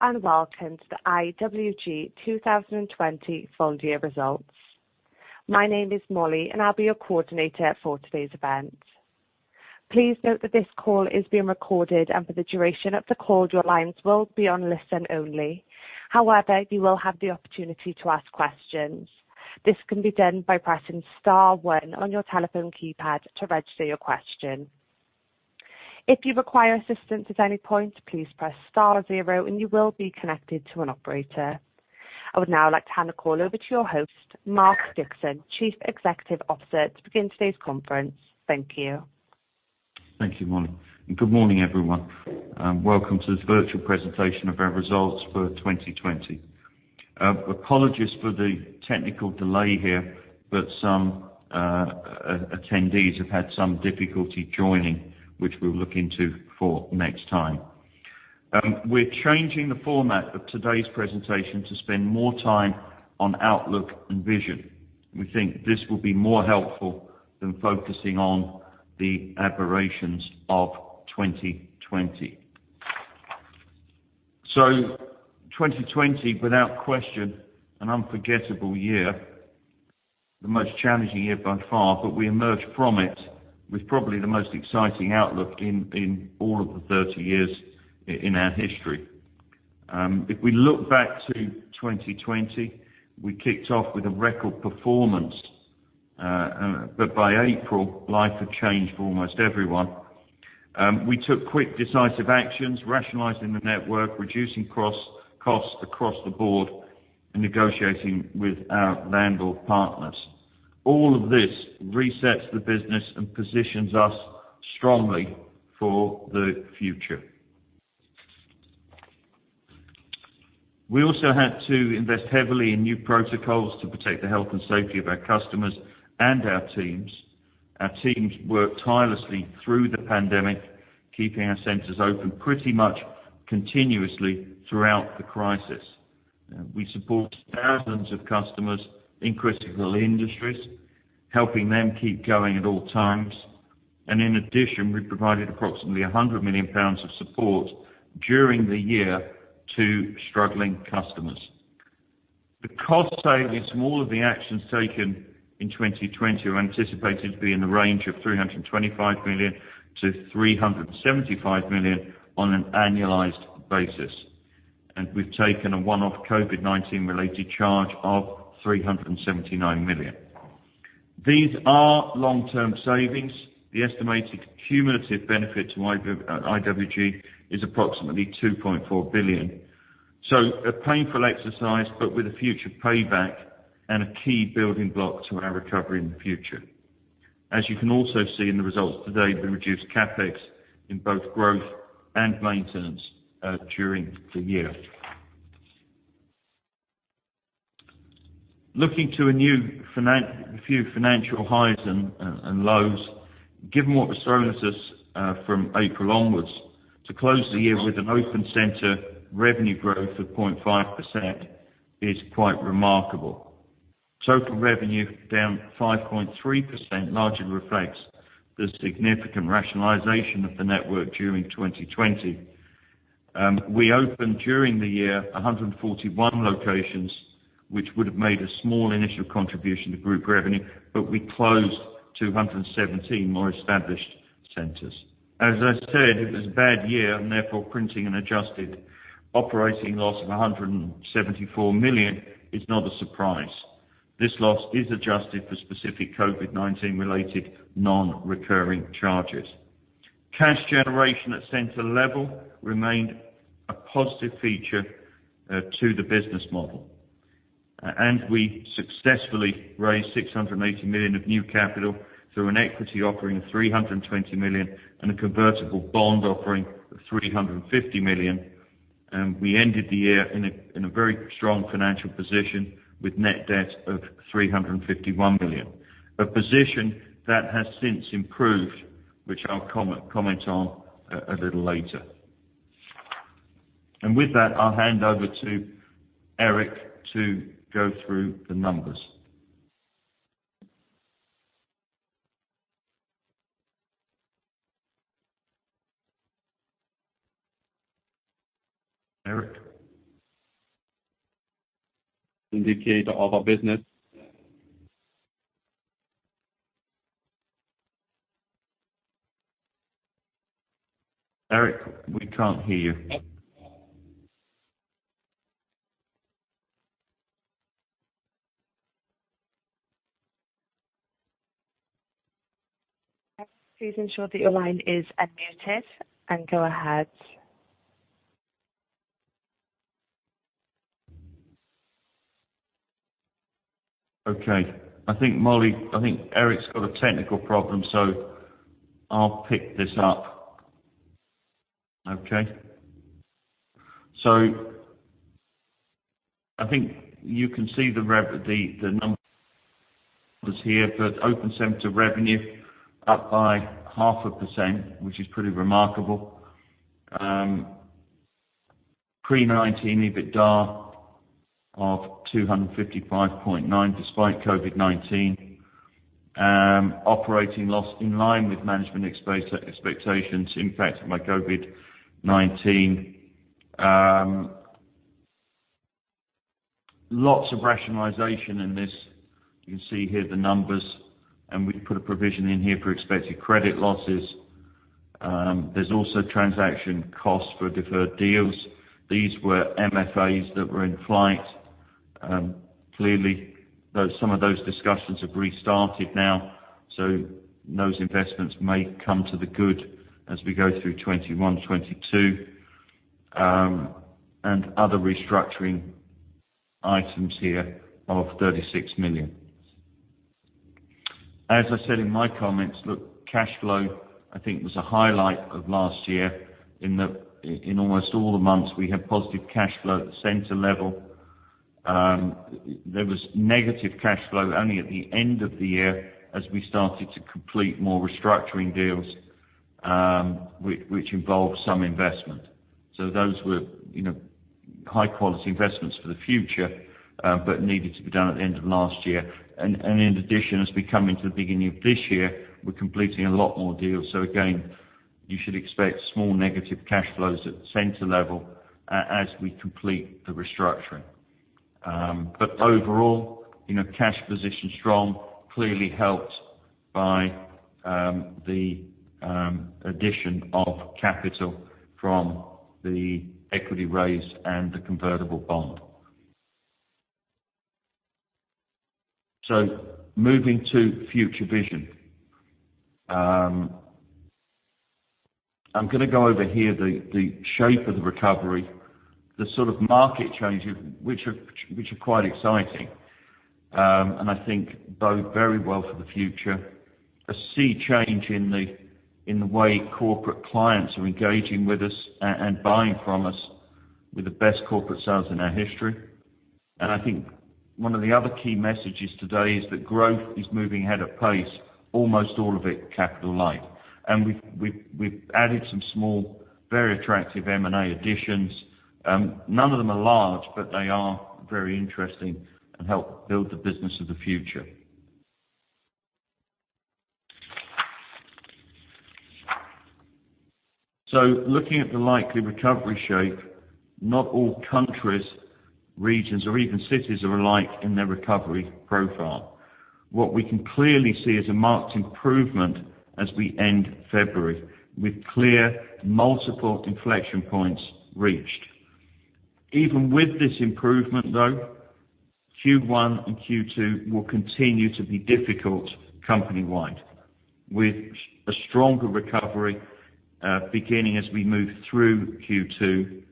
Welcome to the IWG 2020 full year results. My name is Molly, and I'll be your coordinator for today's event. Please note that this call is being recorded, and for the duration of the call, your lines will be on listen only. However, you will have the opportunity to ask questions. This can be done by pressing star one on your telephone keypad to register your question. If you require assistance at any point, please press star zero and you will be connected to an operator. I would now like to hand the call over to your host, Mark Dixon, Chief Executive Officer, to begin today's conference. Thank you. Thank you, Molly. Good morning, everyone. Welcome to the virtual presentation of our results for 2020. Apologies for the technical delay here, but some attendees have had some difficulty joining, which we'll look into for next time. We're changing the format of today's presentation to spend more time on outlook and vision. We think this will be more helpful than focusing on the aberrations of 2020. 2020, without question, an unforgettable year, the most challenging year by far, but we emerged from it with probably the most exciting outlook in all of the 30 years in our history. If we look back to 2020, we kicked off with a record performance. By April, life had changed for almost everyone. We took quick, decisive actions, rationalizing the network, reducing costs across the board, and negotiating with our landlord partners. All of this resets the business and positions us strongly for the future. We also had to invest heavily in new protocols to protect the health and safety of our customers and our teams. Our teams worked tirelessly through the pandemic, keeping our centers open pretty much continuously throughout the crisis. We support thousands of customers in critical industries, helping them keep going at all times. In addition, we provided approximately 100 million pounds of support during the year to struggling customers. The cost savings from all of the actions taken in 2020 are anticipated to be in the range of 325 million-375 million on an annualized basis, and we've taken a one-off COVID-19 related charge of 379 million. These are long-term savings. The estimated cumulative benefit to IWG is approximately 2.4 billion. A painful exercise, but with a future payback and a key building block to our recovery in the future. As you can also see in the results today, we reduced CapEx in both growth and maintenance during the year. Looking to a few financial highs and lows, given what was thrown at us from April onwards, to close the year with an open center revenue growth of 0.5% is quite remarkable. Total revenue down 5.3% largely reflects the significant rationalization of the network during 2020. We opened during the year 141 locations, which would have made a small initial contribution to group revenue, but we closed 217 more established centers. As I said, it was a bad year, and therefore printing an adjusted operating loss of 174 million is not a surprise. This loss is adjusted for specific COVID-19 related non-recurring charges. Cash generation at center level remained a positive feature to the business model. We successfully raised 680 million of new capital through an equity offering of 320 million and a convertible bond offering of 350 million. We ended the year in a very strong financial position with net debt of 351 million, a position that has since improved, which I'll comment on a little later. With that, I'll hand over to Eric to go through the numbers. Eric? Indicator of our business. Eric, we can't hear you. Please ensure that your line is unmuted and go ahead. Okay. I think, Molly, I think Eric's got a technical problem, so I'll pick this up. Okay. I think you can see the numbers here for open center revenue up by half a percent, which is pretty remarkable. Pre-IFRS 16 EBITDA of 255.9 despite COVID-19. Operating loss in line with management expectations impacted by COVID-19. Lots of rationalization in this. You can see here the numbers, and we put a provision in here for expected credit losses. There's also transaction costs for deferred deals. These were MFAs that were in flight. Clearly, some of those discussions have restarted now, so those investments may come to the good as we go through 2021, 2022. Other restructuring items here of 36 million. As I said in my comments, look, cash flow I think was a highlight of last year. In almost all the months, we had positive cash flow at the center level. There was negative cash flow only at the end of the year as we started to complete more restructuring deals, which involved some investment. Those were high-quality investments for the future, but needed to be done at the end of last year. In addition, as we come into the beginning of this year, we're completing a lot more deals. Again, you should expect small negative cash flows at the center level as we complete the restructuring. Overall, cash position strong, clearly helped by the addition of capital from the equity raise and the convertible bond. Moving to future vision. I'm going to go over here the shape of the recovery, the sort of market changes, which are quite exciting, and I think bode very well for the future. A sea change in the way corporate clients are engaging with us and buying from us with the best corporate sales in our history. I think one of the other key messages today is that growth is moving ahead of pace, almost all of it capital light. We've added some small, very attractive M&A additions. None of them are large, but they are very interesting and help build the business of the future. Looking at the likely recovery shape, not all countries, regions, or even cities are alike in their recovery profile. What we can clearly see is a marked improvement as we end February, with clear multiple inflection points reached. Even with this improvement though, Q1 and Q2 will continue to be difficult company-wide, with a stronger recovery beginning as we move through Q2,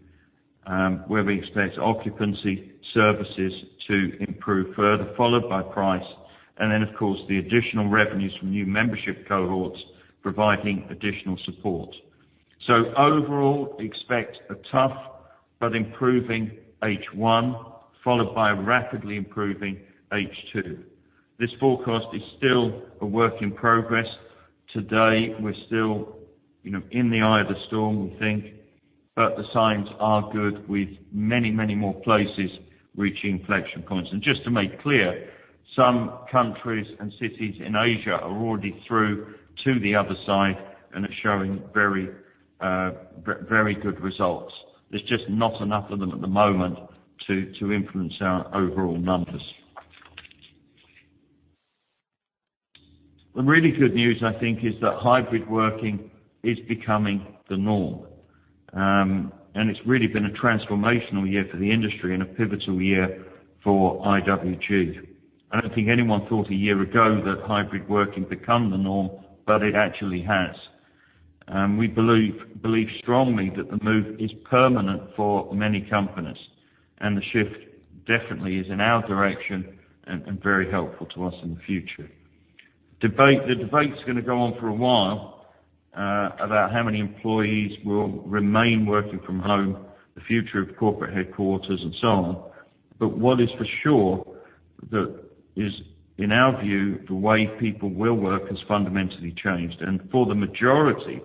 where we expect occupancy services to improve further, followed by price. Then, of course, the additional revenues from new membership cohorts providing additional support. Overall, expect a tough but improving H1, followed by a rapidly improving H2. This forecast is still a work in progress. Today, we're still in the eye of the storm, we think, but the signs are good with many, many more places reaching inflection points. Just to make it clear, some countries and cities in Asia are already through to the other side, and are showing very good results. There's just not enough of them at the moment to influence our overall numbers. The really good news, I think, is that hybrid working is becoming the norm. It's really been a transformational year for the industry and a pivotal year for IWG. I don't think anyone thought a year ago that hybrid working would become the norm, but it actually has. We believe strongly that the move is permanent for many companies, and the shift definitely is in our direction and very helpful to us in the future. The debate's going to go on for a while about how many employees will remain working from home, the future of corporate headquarters, and so on. What is for sure that is, in our view, the way people will work has fundamentally changed. For the majority,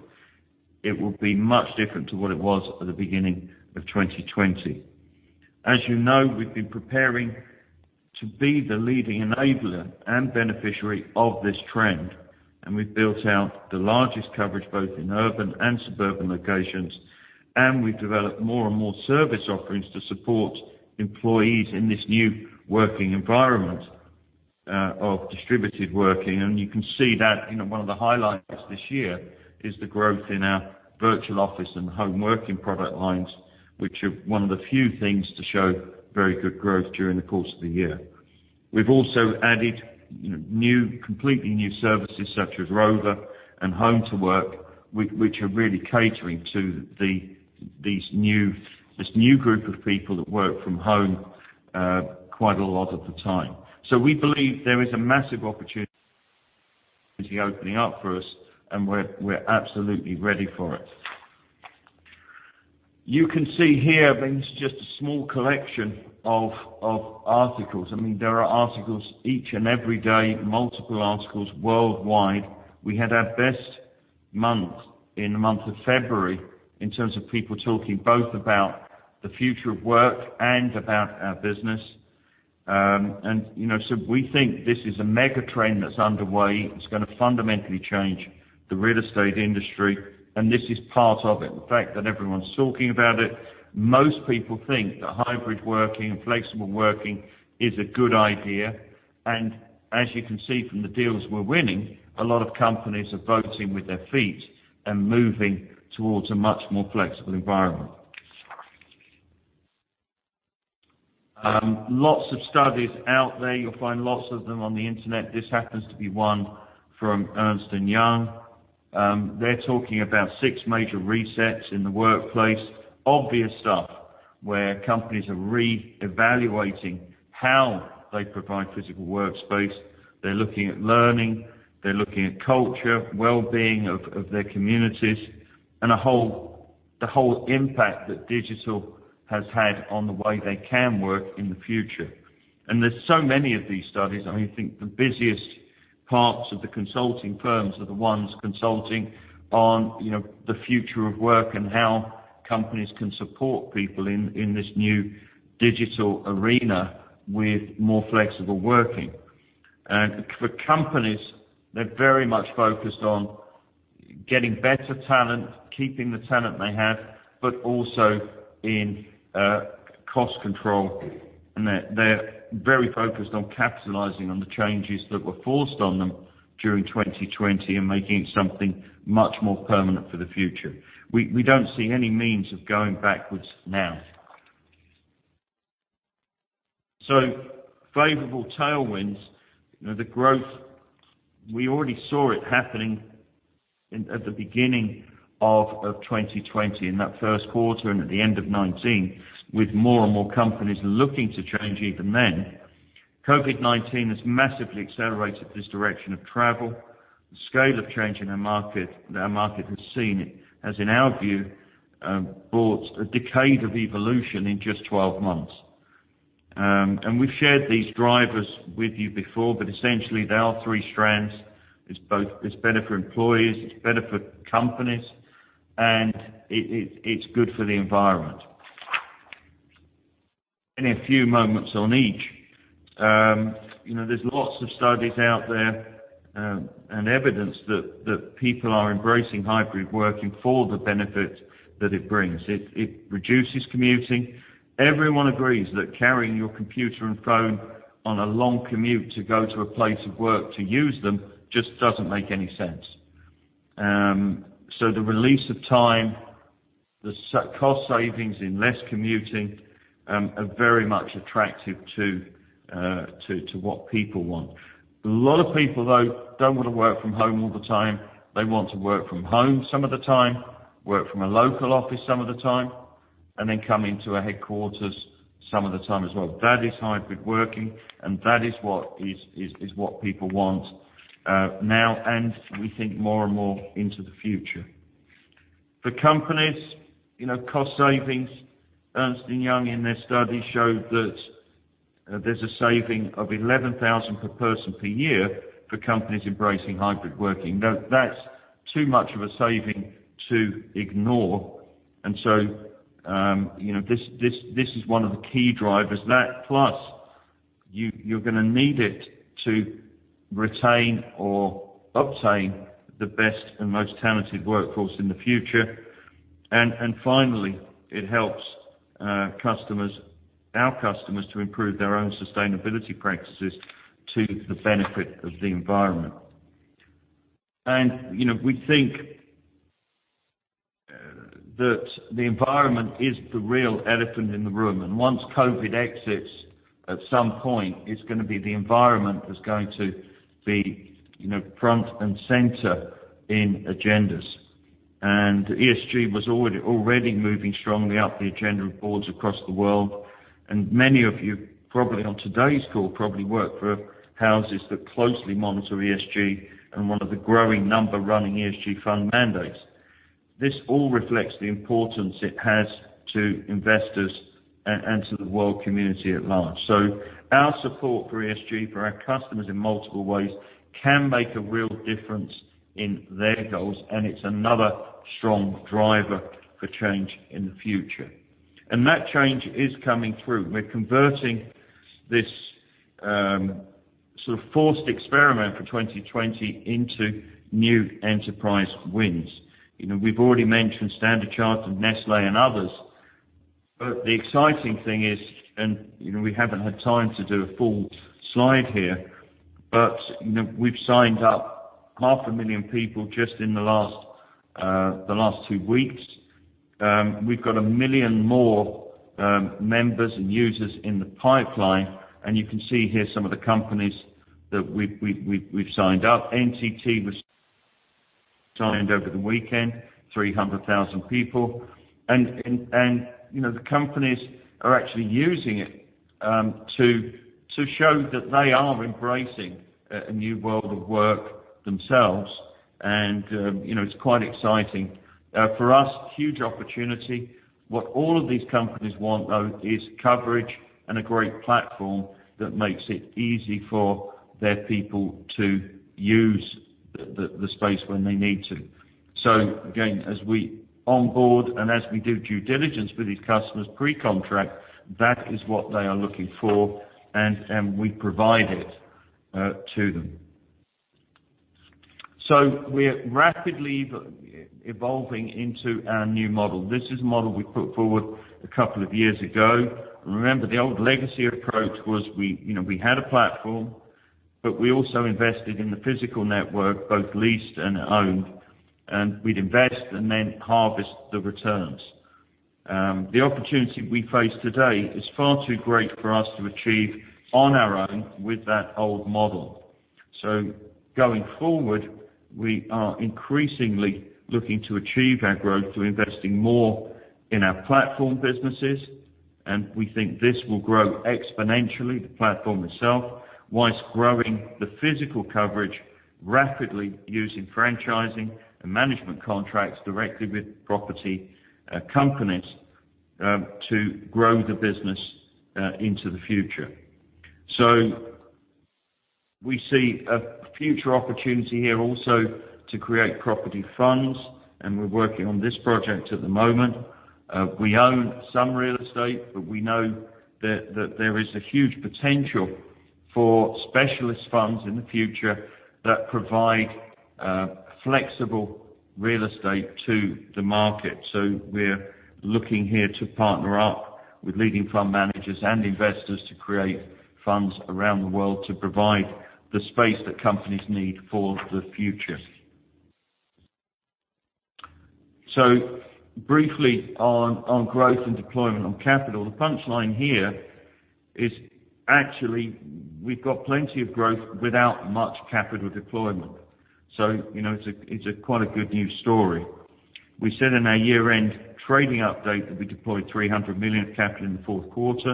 it will be much different to what it was at the beginning of 2020. As you know, we've been preparing to be the leading enabler and beneficiary of this trend, and we've built out the largest coverage both in urban and suburban locations. We've developed more and more service offerings to support employees in this new working environment of distributed working. You can see that one of the highlights this year is the growth in our virtual office and home working product lines, which are one of the few things to show very good growth during the course of the year. We've also added completely new services such as Rovva and Home to Work, which are really catering to this new group of people that work from home quite a lot of the time. We believe there is a massive opportunity opening up for us, and we're absolutely ready for it. You can see here, I mean, this is just a small collection of articles. I mean, there are articles each and every day, multiple articles worldwide. We had our best month, in the month of February, in terms of people talking both about the future of work and about our business. We think this is a mega trend that's underway. It's going to fundamentally change the real estate industry, and this is part of it. The fact that everyone's talking about it, most people think that hybrid working and flexible working is a good idea. As you can see from the deals we're winning, a lot of companies are voting with their feet and moving towards a much more flexible environment. Lots of studies out there, you'll find lots of them on the internet. This happens to be one from Ernst & Young. They're talking about six major resets in the workplace. Obvious stuff, where companies are reevaluating how they provide physical workspace. They're looking at learning, they're looking at culture, well-being of their communities, and the whole impact that digital has had on the way they can work in the future. There's so many of these studies. I think the busiest parts of the consulting firms are the ones consulting on the future of work and how companies can support people in this new digital arena with more flexible working. For companies, they're very much focused on getting better talent, keeping the talent they have, but also in cost control. They're very focused on capitalizing on the changes that were forced on them during 2020 and making it something much more permanent for the future. We don't see any means of going backwards now. Favorable tailwinds, the growth, we already saw it happening at the beginning of 2020, in that first quarter and at the end of 2019, with more and more companies looking to change even then. COVID-19 has massively accelerated this direction of travel. The scale of change in our market has, in our view, brought a decade of evolution in just 12 months. We've shared these drivers with you before, but essentially there are three strands. It's better for employees, it's better for companies, and it's good for the environment. In a few moments on each, there's lots of studies out there and evidence that people are embracing hybrid working for the benefit that it brings. It reduces commuting. Everyone agrees that carrying your computer and phone on a long commute to go to a place of work to use them just doesn't make any sense. The release of time, the cost savings in less commuting, are very much attractive to what people want. A lot of people, though, don't want to work from home all the time. They want to work from home some of the time, work from a local office some of the time, and then come into a headquarters some of the time as well. That is hybrid working. That is what people want now, and we think more and more into the future. For companies, cost savings, Ernst & Young in their study showed that there's a saving of 11,000 per person per year for companies embracing hybrid working. Now, that's too much of a saving to ignore. This is one of the key drivers. That, plus you're going to need it to retain or obtain the best and most talented workforce in the future. Finally, it helps our customers to improve their own sustainability practices to the benefit of the environment. We think that the environment is the real elephant in the room. Once COVID exits, at some point, it's going to be the environment that's going to be front and center in agendas. ESG was already moving strongly up the agenda of boards across the world. Many of you probably on today's call, probably work for houses that closely monitor ESG and one of the growing number running ESG fund mandates. This all reflects the importance it has to investors and to the world community at large. Our support for ESG for our customers in multiple ways can make a real difference in their goals, and it's another strong driver for change in the future. That change is coming through. We're converting this sort of forced experiment for 2020 into new enterprise wins. We've already mentioned Standard Chartered, Nestlé, and others. The exciting thing is, we haven't had time to do a full slide here, we've signed up half a million people just in the last two weeks. We've got a million more members and users in the pipeline, you can see here some of the companies that we've signed up. NTT was signed over the weekend, 300,000 people. The companies are actually using it to show that they are embracing a new world of work themselves. It's quite exciting. For us, huge opportunity. What all of these companies want, though, is coverage and a great platform that makes it easy for their people to use the space when they need to. Again, as we onboard and as we do due diligence with these customers pre-contract, that is what they are looking for, and we provide it to them. We're rapidly evolving into our new model. This is a model we put forward a couple of years ago. Remember, the old legacy approach was we had a platform, but we also invested in the physical network, both leased and owned, and we'd invest and then harvest the returns. The opportunity we face today is far too great for us to achieve on our own with that old model. Going forward, we are increasingly looking to achieve our growth through investing more in our platform businesses, and we think this will grow exponentially, the platform itself, whilst growing the physical coverage rapidly using franchising and management contracts directly with property companies to grow the business into the future. We see a future opportunity here also to create property funds, and we're working on this project at the moment. We own some real estate. We know that there is a huge potential for specialist funds in the future that provide flexible real estate to the market. We're looking here to partner up with leading fund managers and investors to create funds around the world to provide the space that companies need for the future. Briefly on growth and deployment on capital. The punchline here is actually we've got plenty of growth without much capital deployment. It's quite a good news story. We said in our year-end trading update that we deployed 300 million of capital in the fourth quarter.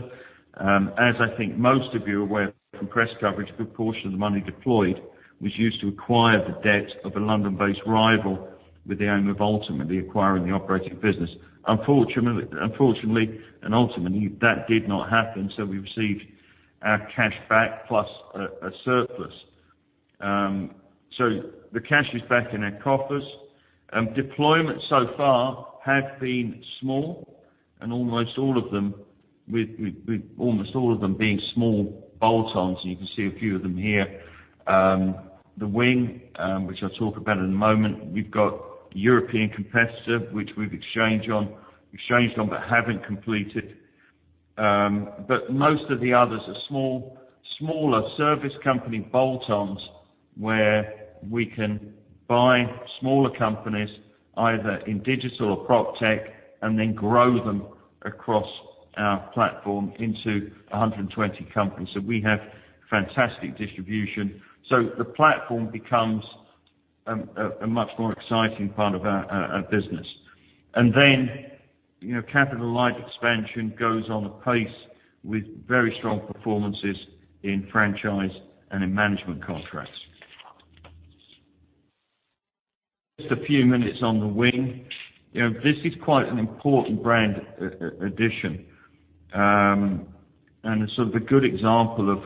As I think most of you are aware from press coverage, a good portion of the money deployed was used to acquire the debt of a London-based rival with the aim of ultimately acquiring the operating business. That did not happen. We received our cash back plus a surplus. The cash is back in our coffers. Deployments so far have been small and almost all of them being small bolt-ons, and you can see a few of them here. The Wing, which I'll talk about in a moment. We've got a European competitor, which we've exchanged on but haven't completed. Most of the others are smaller service company bolt-ons where we can buy smaller companies either in digital or PropTech and then grow them across our platform into 120 companies. We have fantastic distribution. The platform becomes a much more exciting part of our business. Capital-light expansion goes on apace with very strong performances in franchise and in management contracts. Just a few minutes on The Wing. This is quite an important brand addition, and a good example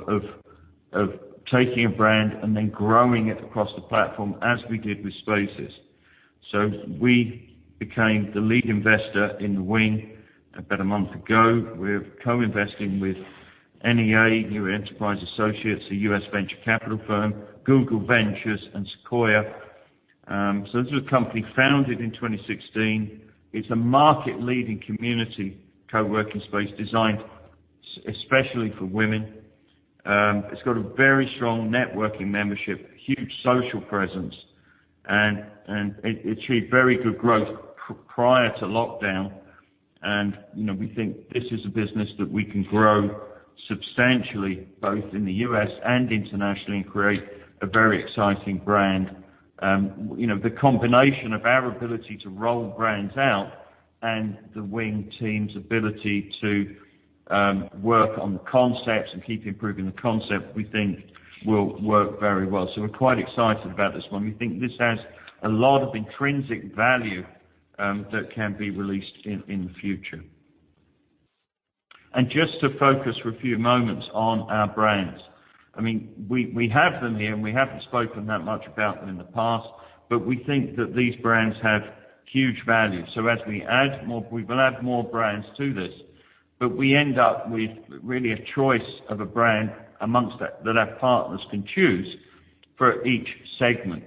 of taking a brand and then growing it across the platform as we did with Spaces. We became the lead investor in The Wing about a month ago. We're co-investing with NEA, New Enterprise Associates, a U.S. venture capital firm, Google Ventures, and Sequoia. This is a company founded in 2016. It's a market-leading community co-working space designed especially for women. It's got a very strong networking membership, huge social presence, and it achieved very good growth prior to lockdown. We think this is a business that we can grow substantially, both in the U.S. and internationally, and create a very exciting brand. The combination of our ability to roll brands out and The Wing team's ability to work on the concepts and keep improving the concept, we think will work very well. We're quite excited about this one. We think this has a lot of intrinsic value that can be released in the future. Just to focus for a few moments on our brands. We have them here, and we haven't spoken that much about them in the past, but we think that these brands have huge value. As we add more, we will add more brands to this. We end up with really a choice of a brand that our partners can choose for each segment.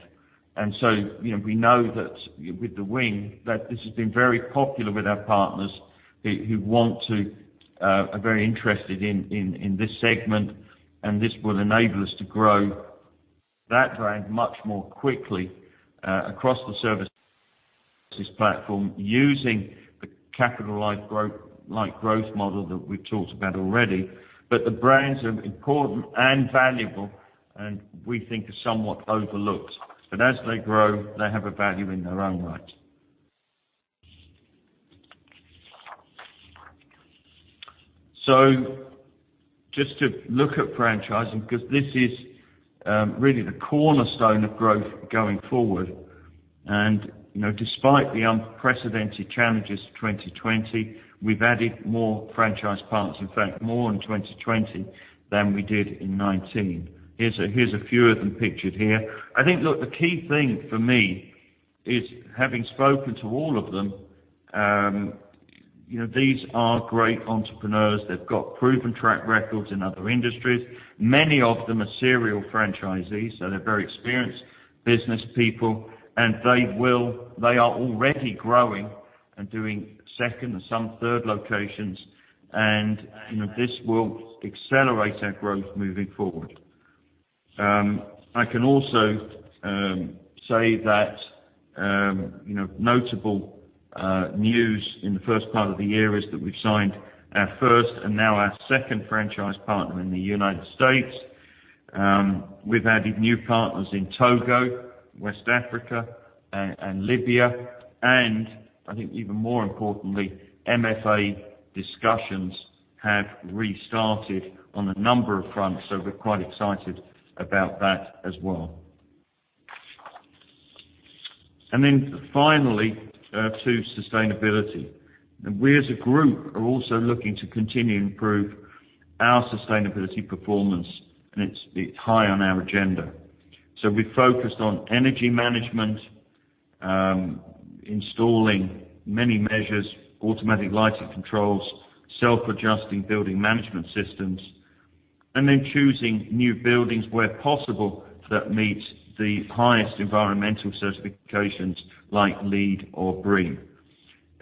We know that with The Wing, that this has been very popular with our partners who are very interested in this segment, and this will enable us to grow that brand much more quickly across the Services platform using the capital-light growth model that we've talked about already. The brands are important and valuable and we think are somewhat overlooked. As they grow, they have a value in their own right. Just to look at franchising, because this is really the cornerstone of growth going forward. Despite the unprecedented challenges of 2020, we've added more franchise partners, in fact, more in 2020 than we did in 2019. Here's a few of them pictured here. I think, look, the key thing for me is, having spoken to all of them, these are great entrepreneurs. They've got proven track records in other industries. Many of them are serial franchisees, so they're very experienced business people, and they are already growing and doing second or some third locations. This will accelerate our growth moving forward. I can also say that notable news in the first part of the year is that we've signed our first and now our second franchise partner in the U.S. We've added new partners in Togo, West Africa, and Libya. I think even more importantly, MFA discussions have restarted on a number of fronts, so we're quite excited about that as well. Finally, to sustainability. We, as a group, are also looking to continue to improve our sustainability performance, and it's high on our agenda. We focused on energy management, installing many measures, automatic lighting controls, self-adjusting building management systems, and then choosing new buildings where possible that meet the highest environmental certifications like LEED or BREEAM.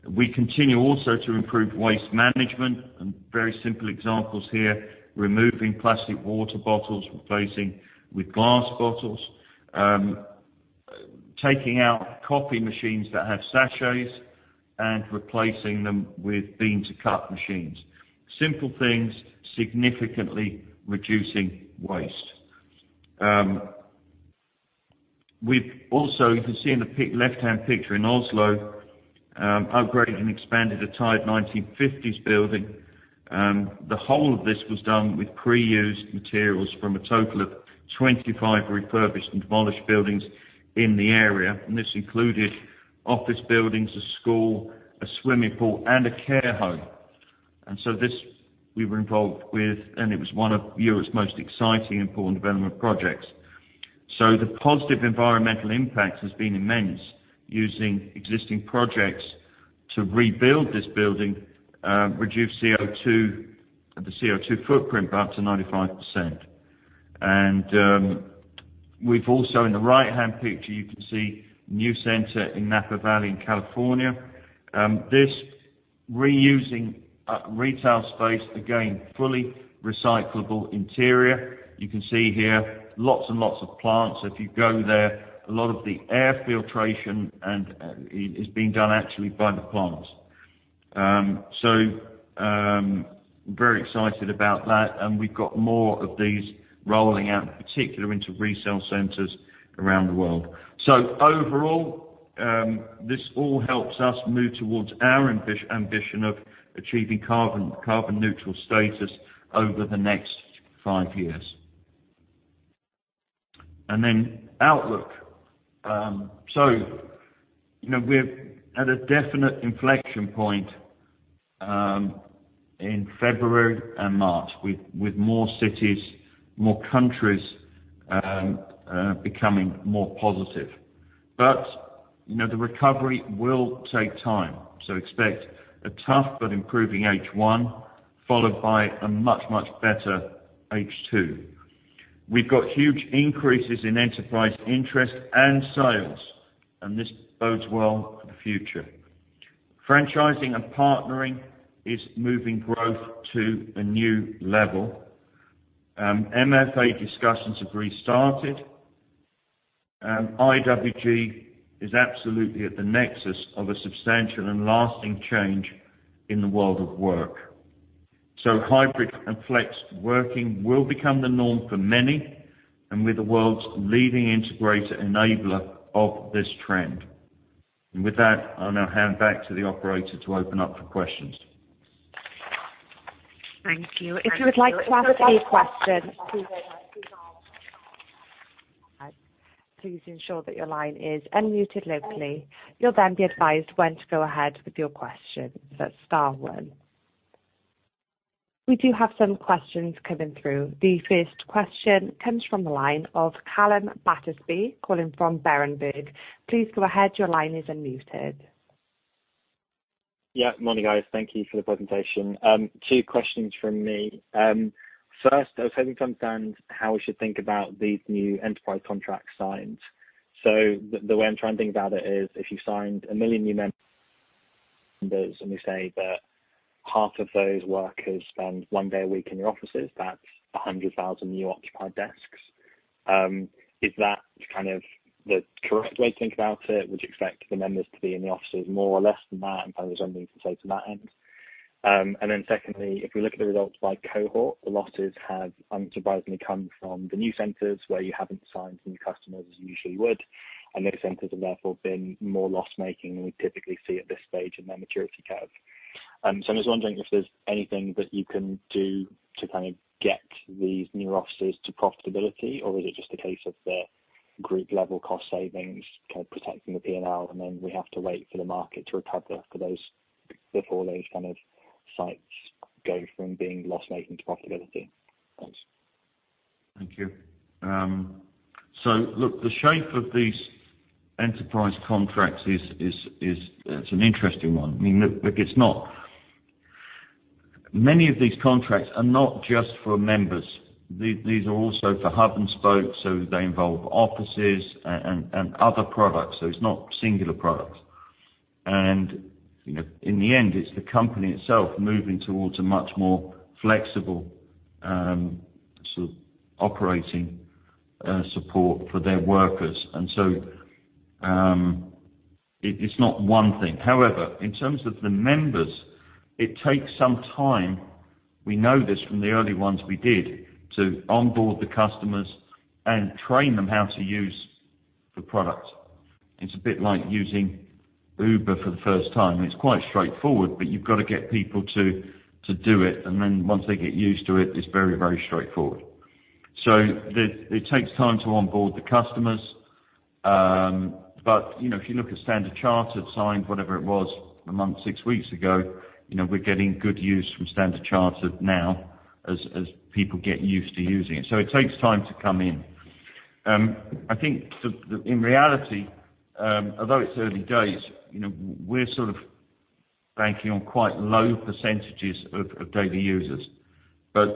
We continue also to improve waste management, and very simple examples here, removing plastic water bottles, replacing with glass bottles, taking out coffee machines that have sachets and replacing them with bean-to-cup machines. Simple things, significantly reducing waste. We've also, you can see in the left-hand picture in Oslo, upgraded and expanded a tired 1950s building. The whole of this was done with pre-used materials from a total of 25 refurbished and demolished buildings in the area. This included office buildings, a school, a swimming pool, and a care home. This we were involved with, and it was one of Europe's most exciting and important development projects. The positive environmental impact has been immense. Using existing projects to rebuild this building reduced the CO2 footprint by up to 95%. We've also, in the right-hand picture, you can see new center in Napa Valley in California. This reusing retail space, again, fully recyclable interior. You can see here lots and lots of plants. If you go there, a lot of the air filtration is being done actually by the plants. Very excited about that, and we've got more of these rolling out, in particular into resale centers around the world. Overall, this all helps us move towards our ambition of achieving carbon neutral status over the next five years. Outlook. We're at a definite inflection point in February and March with more cities, more countries becoming more positive. The recovery will take time, so expect a tough but improving H1, followed by a much, much better H2. We've got huge increases in enterprise interest and sales, and this bodes well for the future. Franchising and partnering is moving growth to a new level. MFA discussions have restarted. IWG is absolutely at the nexus of a substantial and lasting change in the world of work. Hybrid and flex working will become the norm for many and we're the world's leading integrator enabler of this trend. With that, I'll now hand back to the operator to open up for questions. Thank you. If you would like to ask a question, please ensure that your line is unmuted locally. You'll then be advised when to go ahead with your question, star one. We do have some questions coming through. The first question comes from the line of Calum Battersby calling from Berenberg. Please go ahead. Your line is unmuted. Yeah, morning, guys. Thank you for the presentation. Two questions from me. First, I was hoping to understand how we should think about these new enterprise contracts signed. The way I'm trying to think about it is if you signed 1 million new members, and we say that half of those workers spend one day a week in your offices, that's 100,000 new occupied desks. Is that kind of the correct way to think about it? Would you expect the members to be in the offices more or less than that? Kind of there's something you can say to that end. Secondly, if we look at the results by cohort, the losses have unsurprisingly come from the new centers where you haven't signed new customers as you usually would, and those centers have therefore been more loss-making than we typically see at this stage in their maturity curve. I'm just wondering if there's anything that you can do to get these new offices to profitability, or is it just a case of the group-level cost savings protecting the P&L, and then we have to wait for the market to recover before those kind of sites go from being loss-making to profitability? Thanks. Thank you. Look, the shape of these enterprise contracts, it's an interesting one. Many of these contracts are not just for members. These are also for hub and spoke. They involve offices and other products. It's not singular products. In the end, it's the company itself moving towards a much more flexible sort of operating support for their workers. It's not one thing. However, in terms of the members, it takes some time, we know this from the early ones we did, to onboard the customers and train them how to use the product. It's a bit like using Uber for the first time. It's quite straightforward, but you've got to get people to do it, and then once they get used to it's very straightforward. It takes time to onboard the customers. If you look at Standard Chartered signed, whatever it was, a month, six weeks ago, we're getting good use from Standard Chartered now as people get used to using it. It takes time to come in. I think in reality, although it's early days, we're sort of banking on quite low percentages of daily users.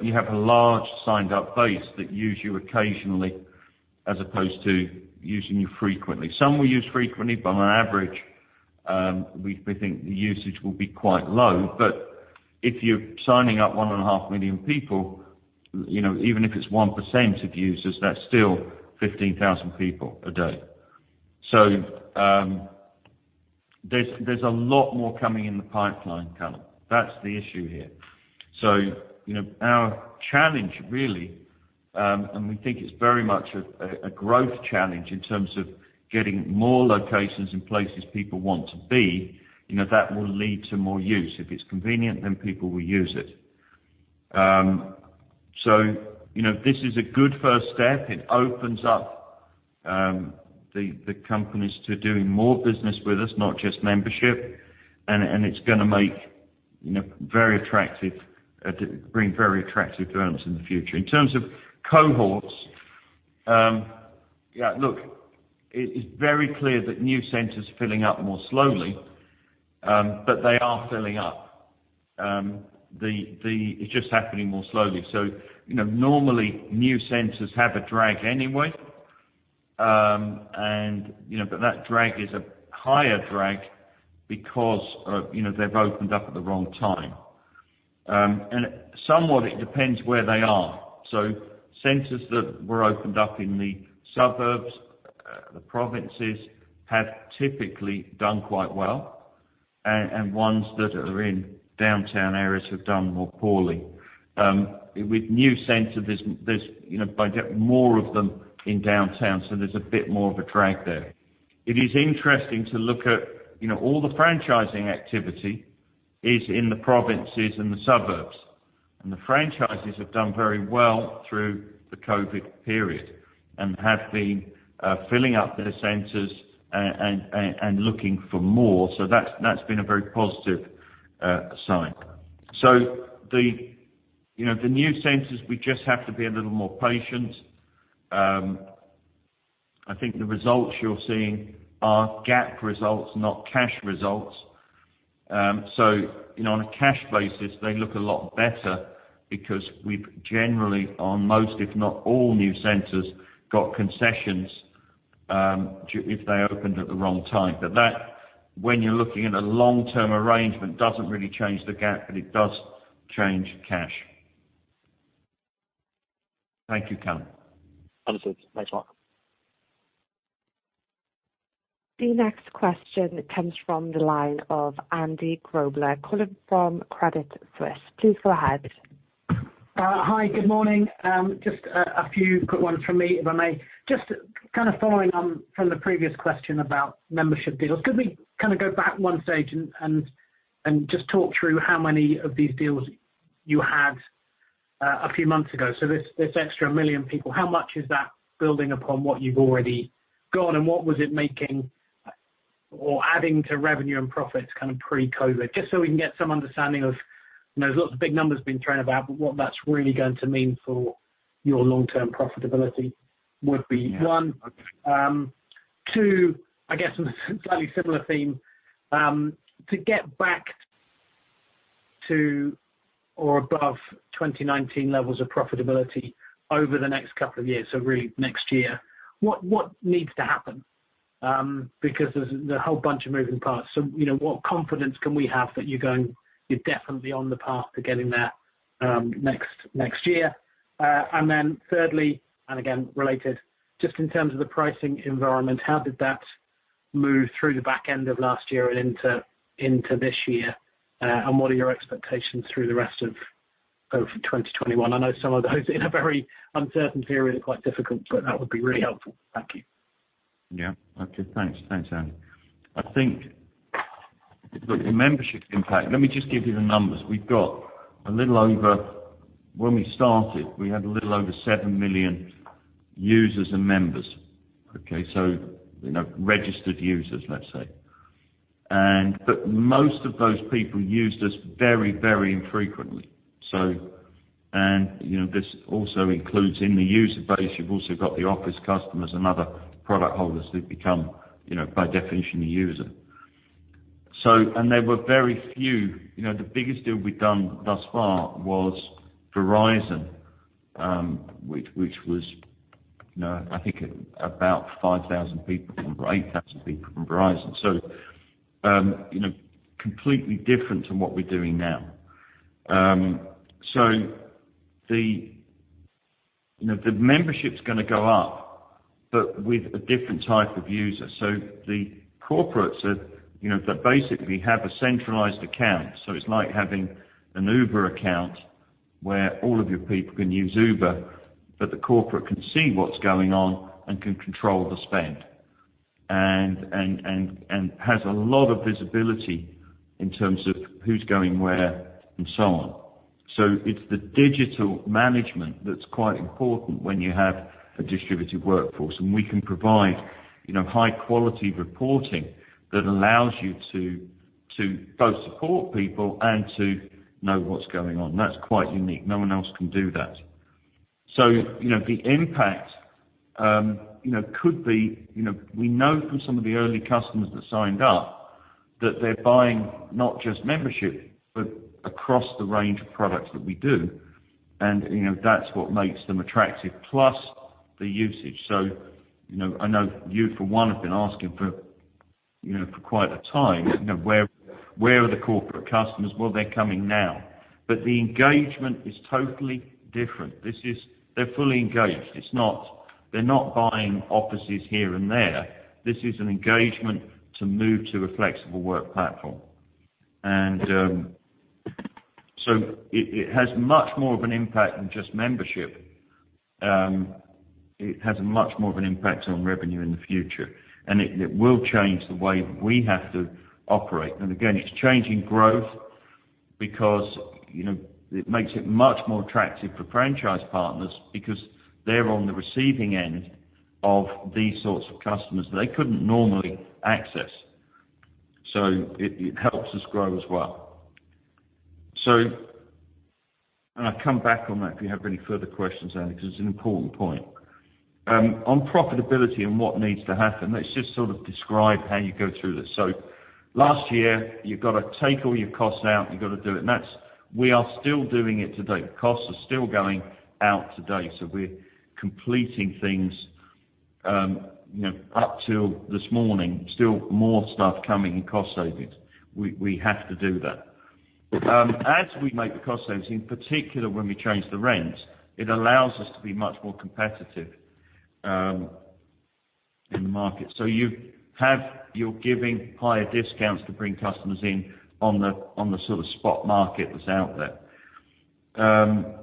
You have a large signed-up base that use you occasionally as opposed to using you frequently. Some will use frequently, but on average, we think the usage will be quite low. If you're signing up one and a half million people, even if it's 1% of users, that's still 15,000 people a day. There's a lot more coming in the pipeline, Calum. That's the issue here. Our challenge really, and we think it's very much a growth challenge in terms of getting more locations in places people want to be, that will lead to more use. If it's convenient, people will use it. This is a good first step. It opens up the companies to doing more business with us, not just membership. It's going to bring very attractive earnings in the future. In terms of cohorts, look, it is very clear that new centers are filling up more slowly, but they are filling up. It's just happening more slowly. Normally, new centers have a drag anyway, but that drag is a higher drag because they've opened up at the wrong time. Somewhat it depends where they are. Centers that were opened up in the suburbs, the provinces, have typically done quite well, and ones that are in downtown areas have done more poorly. With new centers, there's by more of them in downtown, there's a bit more of a drag there. It is interesting to look at all the franchising activity is in the provinces and the suburbs, the franchises have done very well through the COVID period and have been filling up their centers and looking for more. That's been a very positive sign. The new centers, we just have to be a little more patient. I think the results you're seeing are GAAP results, not cash results. On a cash basis, they look a lot better because we've generally, on most, if not all, new centers, got concessions, if they opened at the wrong time. That, when you're looking at a long-term arrangement, doesn't really change the GAAP, but it does change cash. Thank you, Calum. Understood. Thanks a lot. The next question comes from the line of Andy Grobler calling from Credit Suisse. Please go ahead. Hi. Good morning. Just a few quick ones from me, if I may. Just kind of following on from the previous question about membership deals, could we go back one stage and just talk through how many of these deals you had a few months ago? There's extra 1 million people. How much is that building upon what you've already got, and what was it making or adding to revenue and profits kind of pre-COVID? Just so we can get some understanding of, there's lots of big numbers been thrown about, but what that's really going to mean for your long-term profitability would be one. Yeah. Two, I guess on a slightly similar theme, to get back to or above 2019 levels of profitability over the next couple of years, so really next year, what needs to happen? There's a whole bunch of moving parts. What confidence can we have that you're definitely on the path to getting there next year? Thirdly, again, related, just in terms of the pricing environment, how did that move through the back end of last year and into this year? What are your expectations through the rest of 2021? I know some of those in a very uncertain period are quite difficult, that would be really helpful. Thank you. Yeah. Okay. Thanks, Andy. I think the membership impact, let me just give you the numbers. When we started, we had a little over 7 million users and members. Registered users, let's say. Most of those people used us very infrequently. This also includes in the user base, you've also got the office customers and other product holders who've become, by definition, a user. There were very few. The biggest deal we've done thus far was Verizon, which was, I think, about 5,000 people from, or 8,000 people from Verizon. Completely different to what we're doing now. The membership's going to go up, but with a different type of user. The corporates that basically have a centralized account, so it's like having an Uber account where all of your people can use Uber, but the corporate can see what's going on and can control the spend. It has a lot of visibility in terms of who's going where, and so on. It's the digital management that's quite important when you have a distributed workforce, and we can provide high-quality reporting that allows you to both support people and to know what's going on. That's quite unique. No one else can do that. The impact could be, we know from some of the early customers that signed up, that they're buying not just membership, but across the range of products that we do, and that's what makes them attractive. Plus the usage. I know you, for one, have been asking for quite a time, where are the corporate customers? They're coming now. The engagement is totally different. They're fully engaged. They're not buying offices here and there. This is an engagement to move to a flexible work platform. It has much more of an impact than just membership. It has a much more of an impact on revenue in the future, and it will change the way we have to operate. Again, it's changing growth because it makes it much more attractive for franchise partners because they're on the receiving end of these sorts of customers they couldn't normally access. It helps us grow as well. I'll come back on that if you have any further questions, Andy, because it's an important point. On profitability and what needs to happen, let's just sort of describe how you go through this. Last year, you've got to take all your costs out, and you've got to do it. We are still doing it today. Costs are still going out today. We're completing things up till this morning, still more stuff coming in cost savings. We have to do that. As we make the cost savings, in particular, when we change the rents, it allows us to be much more competitive in the market. You're giving higher discounts to bring customers in on the sort of spot market that's out there.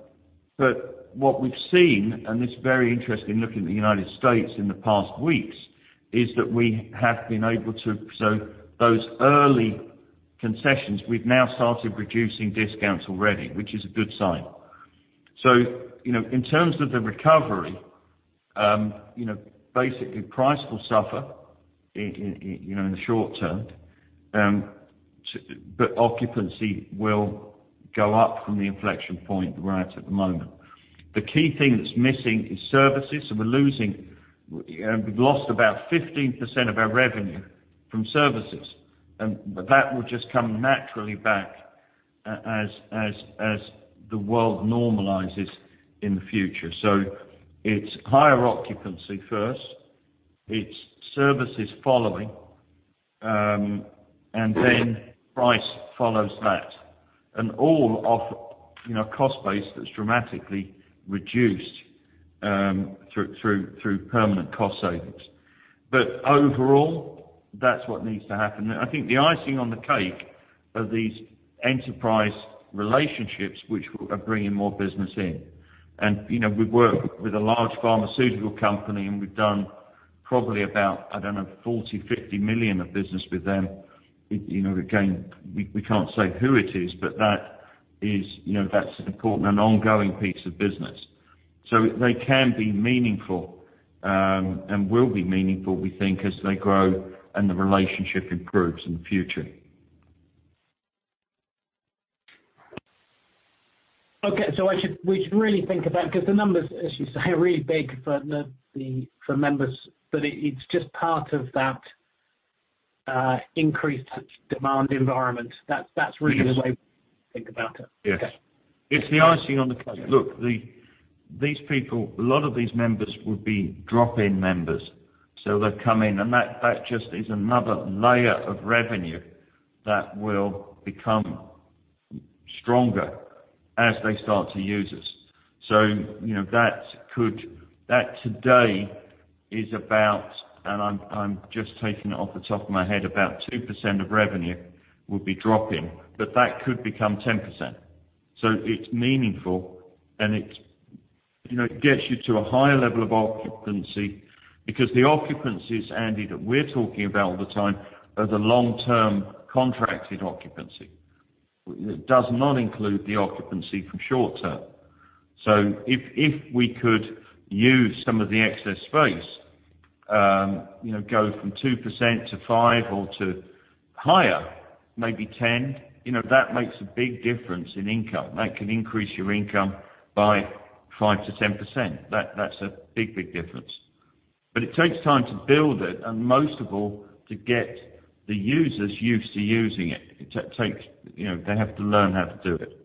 What we've seen, and it's very interesting looking at the U.S. in the past weeks, is that we have been able to those early concessions, we've now started reducing discounts already, which is a good sign. In terms of the recovery, basically price will suffer in the short term. Occupancy will go up from the inflection point we're at at the moment. The key thing that's missing is services. We've lost about 15% of our revenue from services. That will just come naturally back as the world normalizes in the future. It's higher occupancy first, it's services following, and then price follows that. All off a cost base that's dramatically reduced through permanent cost savings. Overall, that's what needs to happen. I think the icing on the cake are these enterprise relationships which are bringing more business in. We work with a large pharmaceutical company, and we've done probably about, I don't know, 40 million-50 million of business with them. Again, we can't say who it is, but that's an important and ongoing piece of business. They can be meaningful, and will be meaningful, we think, as they grow and the relationship improves in the future. Okay. We should really think about Because the numbers, as you say, are really big for members, but it's just part of that increased demand environment. Yes the way we should think about it. Yes. Okay. It's the icing on the cake. Look, these people, a lot of these members will be drop-in members. They'll come in, and that just is another layer of revenue that will become stronger as they start to use us. That today is about, and I'm just taking it off the top of my head, about 2% of revenue will be drop-in, but that could become 10%. It's meaningful, and it gets you to a higher level of occupancy because the occupancies, Andy, that we're talking about all the time are the long-term contracted occupancy. It does not include the occupancy from short-term. If we could use some of the excess space, go from 2% to five or to higher, maybe 10%, that makes a big difference in income. That can increase your income by 5%-10%. That's a big difference. It takes time to build it, and most of all, to get the users used to using it. They have to learn how to do it.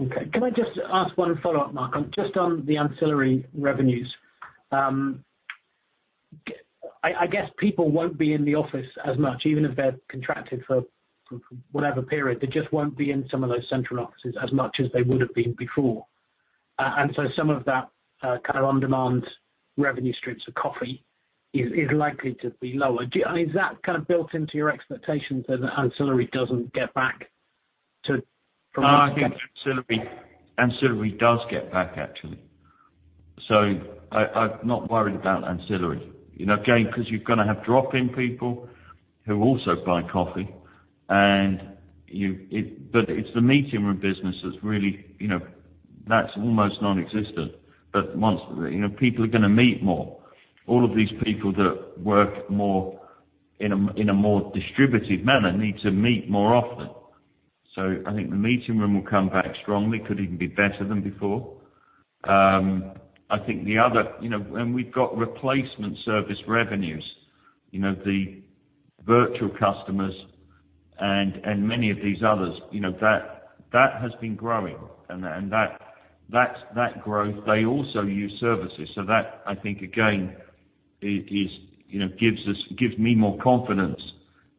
Okay. Can I just ask one follow-up, Mark? Just on the ancillary revenues. I guess people won't be in the office as much, even if they're contracted for whatever period. They just won't be in some of those central offices as much as they would have been before. Some of that kind of on-demand revenue streams of coffee is likely to be lower. I mean, is that kind of built into your expectations that ancillary doesn't get back to? I think ancillary does get back, actually. I'm not worried about ancillary. Again, because you're going to have drop-in people who also buy coffee, but it's the meeting room business that's almost nonexistent. People are going to meet more. All of these people that work in a more distributed manner need to meet more often. I think the meeting room will come back strongly, could even be better than before. We've got replacement service revenues. The virtual customers and many of these others, that has been growing and that growth, they also use services. That I think, again, gives me more confidence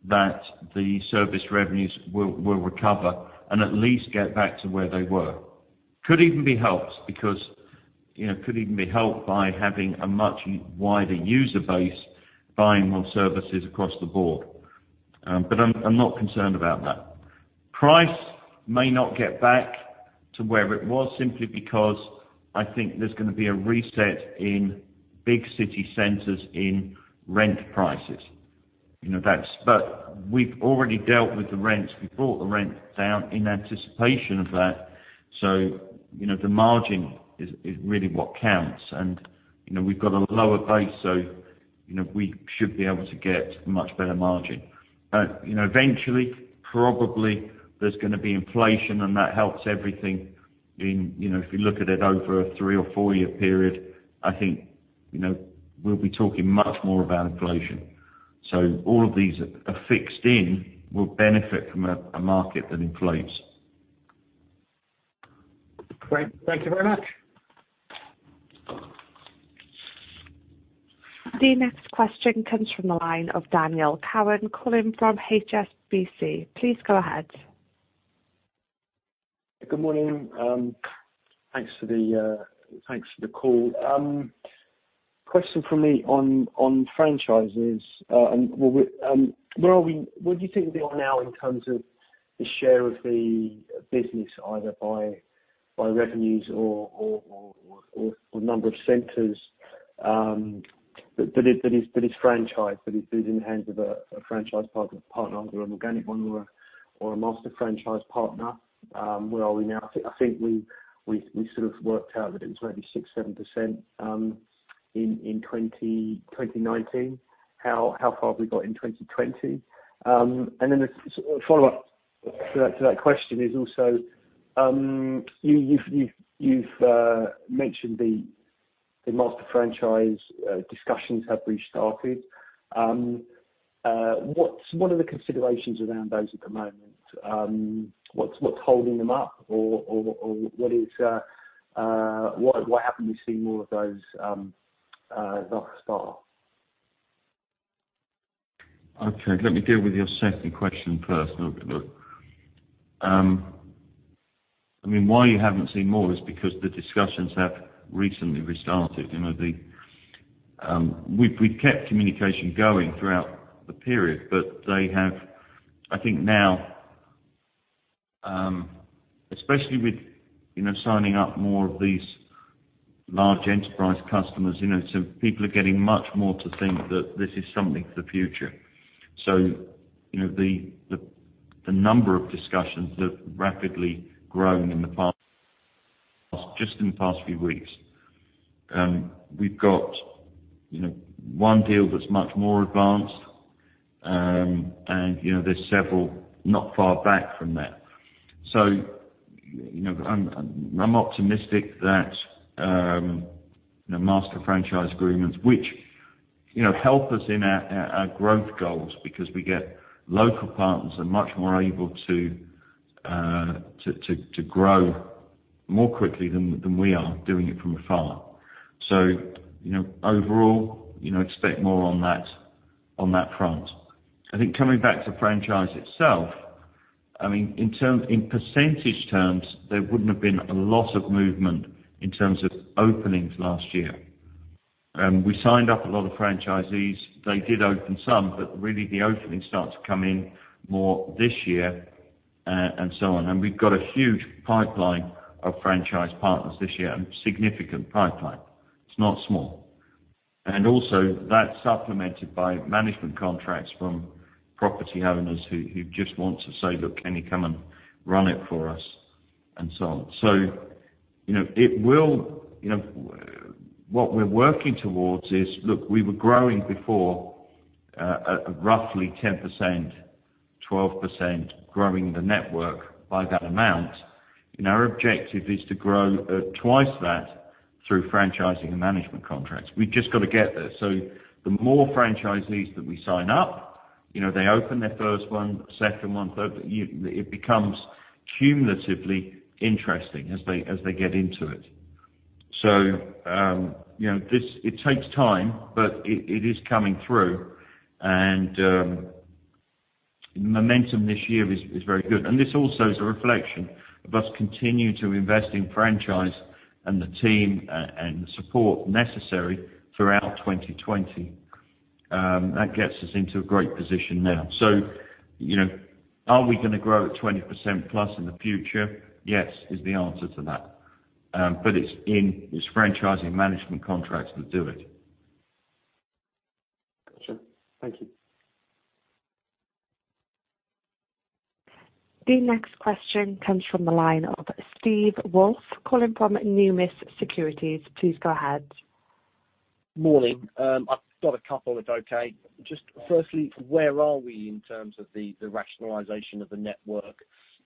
that the service revenues will recover and at least get back to where they were. Could even be helped by having a much wider user base buying more services across the board. I'm not concerned about that. Price may not get back to where it was simply because I think there's going to be a reset in big city centers in rent prices. We've already dealt with the rents. We brought the rent down in anticipation of that. The margin is really what counts. We've got a lower base, so we should be able to get a much better margin. Eventually, probably there's going to be inflation, and that helps everything. If you look at it over a three or four-year period, I think we'll be talking much more about inflation. All of these are fixed in will benefit from a market that inflates. Great. Thank you very much. The next question comes from the line of Daniel Cowan calling from HSBC. Please go ahead. Good morning. Thanks for the call. Question for me on franchises. Where do you think we are now in terms of the share of the business, either by revenues or number of centers that is franchised, that is in the hands of a franchise partner, whether an organic one or a Master Franchise partner? Where are we now? I think we sort of worked out that it was maybe 6%, 7% in 2019. How far have we got in 2020? A follow-up to that question is also, you've mentioned the master franchise discussions have restarted. What are the considerations around those at the moment? What's holding them up? What happened we see more of those? Okay. Let me deal with your second question first. Look, why you haven't seen more is because the discussions have recently restarted. We kept communication going throughout the period, but they have I think now, especially with signing up more of these large enterprise customers, so people are getting much more to think that this is something for the future. The number of discussions have rapidly grown just in the past few weeks. We've got one deal that's much more advanced, and there's several not far back from that. I'm optimistic that Master Franchise Agreements, which help us in our growth goals because we get local partners are much more able to grow more quickly than we are doing it from afar. Overall, expect more on that front. I think coming back to franchise itself, in percentage terms, there wouldn't have been a lot of movement in terms of openings last year. We signed up a lot of franchisees. Really the opening starts to come in more this year and so on. We've got a huge pipeline of franchise partners this year, a significant pipeline. It's not small. Also that's supplemented by management contracts from property owners who just want to say, "Look, can you come and run it for us?" So on. What we're working towards is, look, we were growing before at roughly 10%, 12%, growing the network by that amount, and our objective is to grow twice that through franchising and management contracts. We've just got to get there. The more franchisees that we sign up, they open their first one, second one, third, it becomes cumulatively interesting as they get into it. It takes time, but it is coming through, and momentum this year is very good. This also is a reflection of us continue to invest in franchise and the team and the support necessary throughout 2020. That gets us into a great position now. Are we going to grow at 20%+ in the future? Yes, is the answer to that. It's franchising management contracts that do it. Got you. Thank you. The next question comes from the line of Steve Woolf, calling from Numis Securities. Please go ahead. Morning. I've got a couple if okay. Firstly, where are we in terms of the rationalization of the network,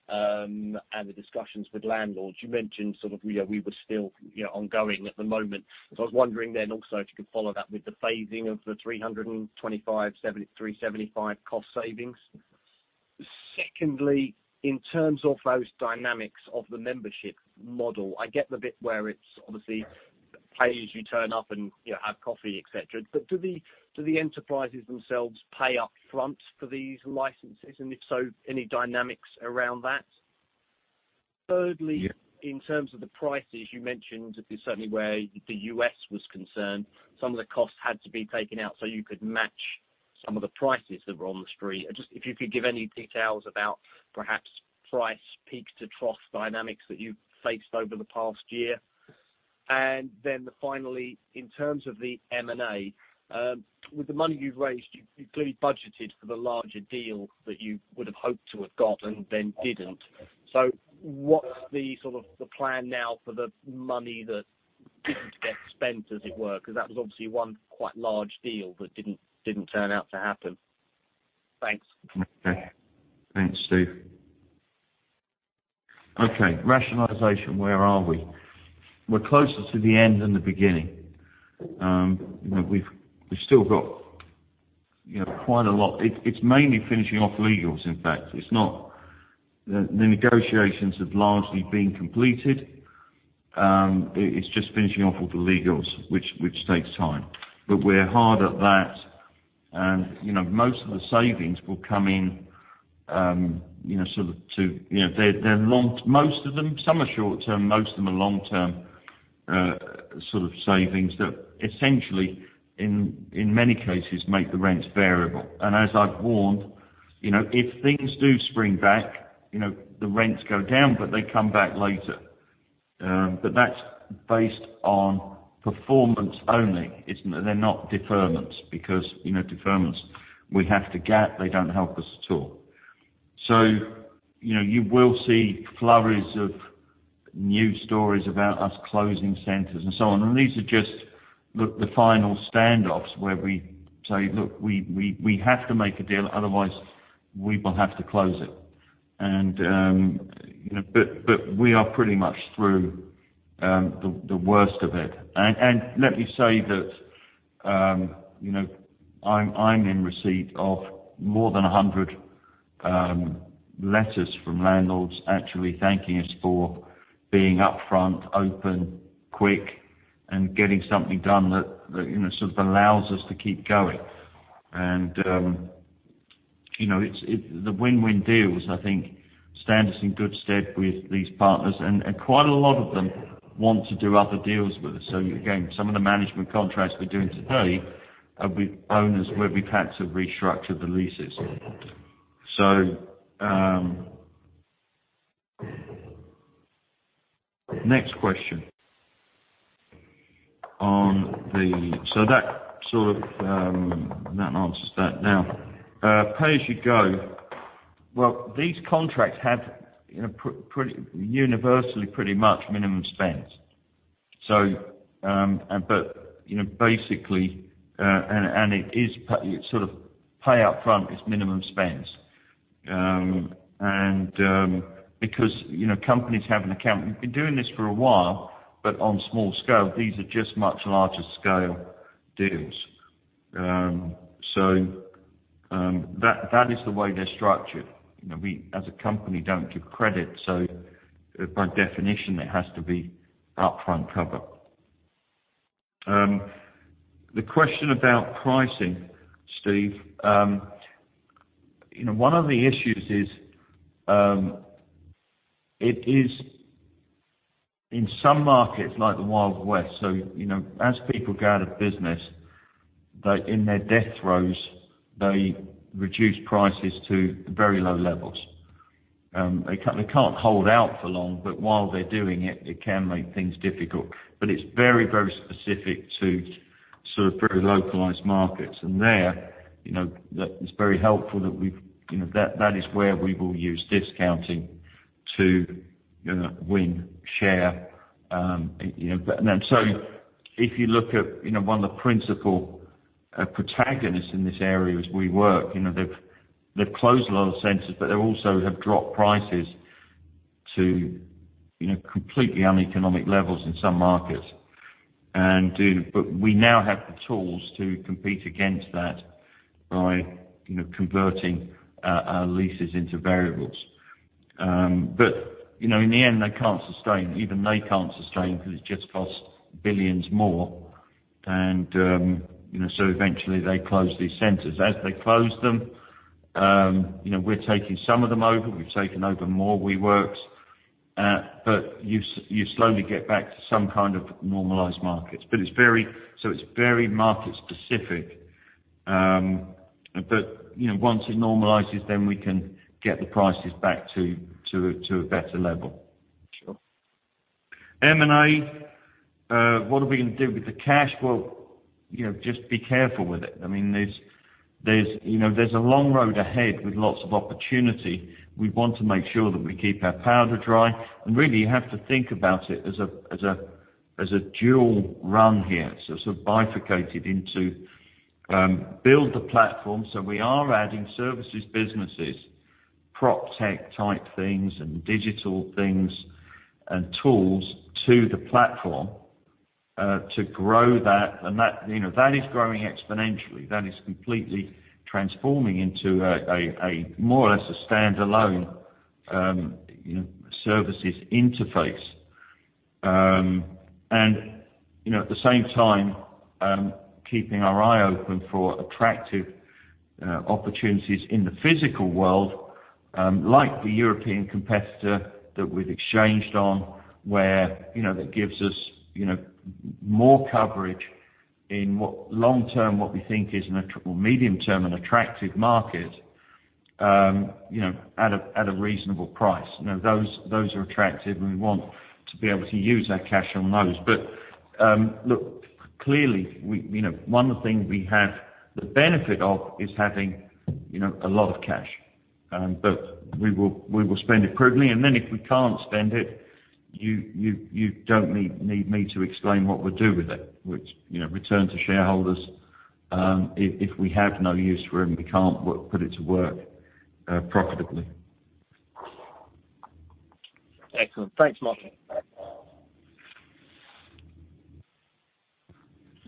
and the discussions with landlords? You mentioned we were still ongoing at the moment. I was wondering also if you could follow that with the phasing of the 325, 375 cost savings. Secondly, in terms of those dynamics of the membership model, I get the bit where it's obviously pay as you turn up and have coffee, et cetera, but do the enterprises themselves pay up front for these licenses? If so, any dynamics around that? Thirdly, in terms of the prices, you mentioned that certainly where the U.S. was concerned, some of the costs had to be taken out, so you could match some of the prices that were on the street. Just if you could give any details about perhaps price peaks to trough dynamics that you've faced over the past year. Finally, in terms of the M&A, with the money you've raised, you clearly budgeted for the larger deal that you would have hoped to have got and then didn't. What's the plan now for the money that didn't get spent, as it were? That was obviously one quite large deal that didn't turn out to happen. Thanks. Okay. Thanks, Steve. Okay. Rationalization, where are we? We're closer to the end than the beginning. We've still got quite a lot. It's mainly finishing off legals, in fact. The negotiations have largely been completed. It's just finishing off all the legals, which takes time. We're hard at that, and most of the savings will come in. Some are short-term, most of them are long-term savings that essentially, in many cases, make the rents variable. As I've warned, if things do spring back, the rents go down, but they come back later. That's based on performance only. They're not deferments because deferments, we have to GAAP, they don't help us at all. You will see flurries of news stories about us closing centers and so on. These are just the final standoffs where we say, "Look, we have to make a deal, otherwise we will have to close it." We are pretty much through the worst of it. Let me say that I'm in receipt of more than 100 letters from landlords actually thanking us for being upfront, open, quick, and getting something done that allows us to keep going. The win-win deals, I think, stand us in good stead with these partners. Quite a lot of them want to do other deals with us. Again, some of the management contracts we're doing today are with owners where we've had to restructure the leases. Next question. That answers that. Now, pay as you go. Well, these contracts have universally pretty much minimum spends. Basically, pay up front is minimum spends. Because companies have an account, we've been doing this for a while, but on small scale. These are just much larger scale deals. That is the way they're structured. We, as a company, don't give credit, by definition, there has to be upfront cover. The question about pricing, Steve, one of the issues is it is, in some markets, like the Wild West. As people go out of business, in their death throes, they reduce prices to very low levels. They can't hold out for long, but while they're doing it can make things difficult. It's very, very specific to sort of very localized markets. There, that is very helpful, that is where we will use discounting to win share. If you look at one of the principal protagonists in this area as WeWork, they've closed a lot of centers, but they also have dropped prices to completely uneconomic levels in some markets. We now have the tools to compete against that by converting our leases into variables. In the end, they can't sustain. Even they can't sustain because it just costs billions more. Eventually they close these centers. As they close them, we're taking some of them over, we've taken over more WeWork. You slowly get back to some kind of normalized markets. It's very market specific. Once it normalizes, then we can get the prices back to a better level. Sure. M&A, what are we going to do with the cash? Well, just be careful with it. There's a long road ahead with lots of opportunity. We want to make sure that we keep our powder dry. Really, you have to think about it as a dual run here. Sort of bifurcated into build the platform. We are adding services, businesses, PropTech type things, and digital things, and tools to the platform to grow that. That is growing exponentially. That is completely transforming into more or less a standalone services interface. At the same time, keeping our eye open for attractive opportunities in the physical world, like the European competitor that we've exchanged on, where that gives us more coverage in long-term, what we think is, well medium-term, an attractive market at a reasonable price. Those are attractive. We want to be able to use our cash on those. Look, clearly, one of the things we have the benefit of is having a lot of cash. We will spend it prudently, and then if we can't spend it, you don't need me to explain what we'll do with it, which, return to shareholders, if we have no use for them, we can't put it to work profitably. Excellent. Thanks, Mark.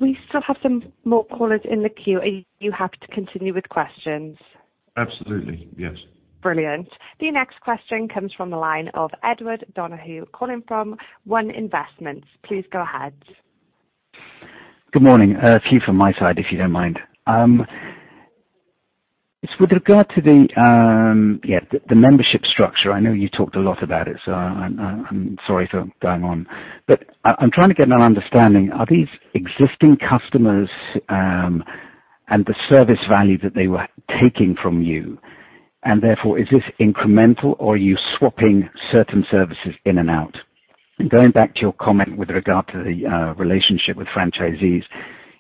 We still have some more callers in the queue. Are you happy to continue with questions? Absolutely, yes. Brilliant. The next question comes from the line of Edward Donahue, calling from One Investments. Please go ahead. Good morning. A few from my side, if you don't mind. It's with regard to the membership structure. I know you talked a lot about it, so I'm sorry for going on. I'm trying to get an understanding. Are these existing customers, and the service value that they were taking from you, and therefore, is this incremental or are you swapping certain services in and out? Going back to your comment with regard to the relationship with franchisees,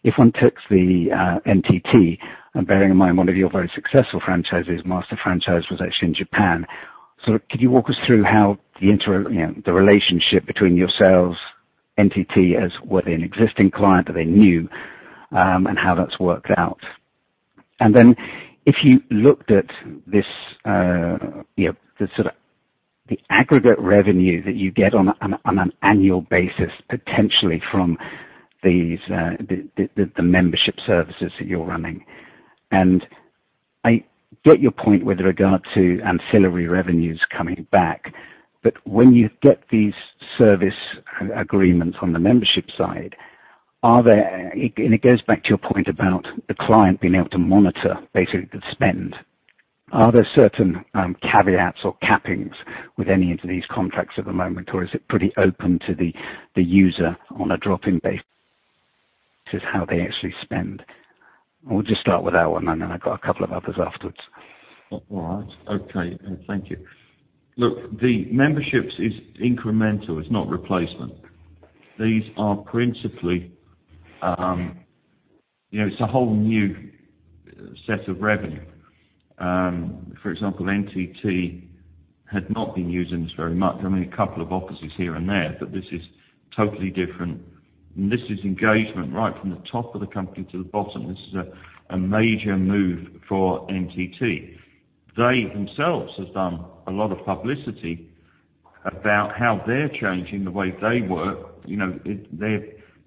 if one took the NTT, and bearing in mind one of your very successful franchisees, Master Franchise, was actually in Japan. Could you walk us through how the relationship between yourselves, NTT, as were they an existing client that they knew, and how that's worked out? If you looked at the aggregate revenue that you get on an annual basis, potentially from the membership services that you're running. I get your point with regard to ancillary revenues coming back. When you get these service agreements on the membership side, and it goes back to your point about the client being able to monitor basically the spend. Are there certain caveats or cappings with any of these contracts at the moment, or is it pretty open to the user on a drop-in basis how they actually spend? We'll just start with that one. I've got a couple of others afterwards. All right. Okay. Thank you. Look, the memberships is incremental, it's not replacement. It's a whole new set of revenue. For example, NTT had not been using this very much. I mean, a couple of offices here and there, but this is totally different. This is engagement right from the top of the company to the bottom. This is a major move for NTT. They themselves have done a lot of publicity about how they're changing the way they work.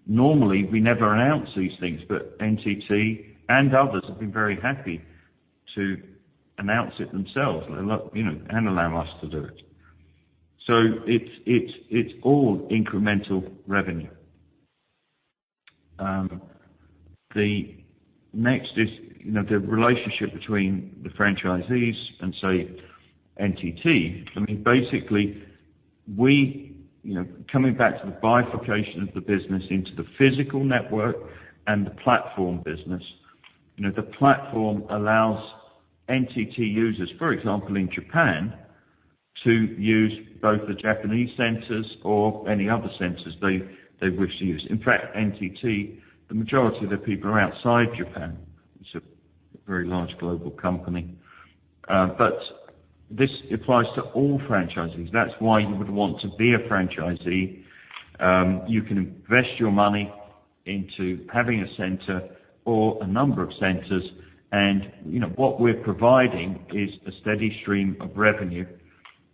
Normally, we never announce these things. NTT and others have been very happy to announce it themselves and allow us to do it. It's all incremental revenue. The next is the relationship between the franchisees and, say, NTT. I mean, basically, coming back to the bifurcation of the business into the physical network and the platform business. The platform allows NTT users, for example, in Japan, to use both the Japanese centers or any other centers they wish to use. In fact, NTT, the majority of their people are outside Japan. It's a very large global company. This applies to all franchisees. That's why you would want to be a franchisee. You can invest your money into having a center or a number of centers, and what we're providing is a steady stream of revenue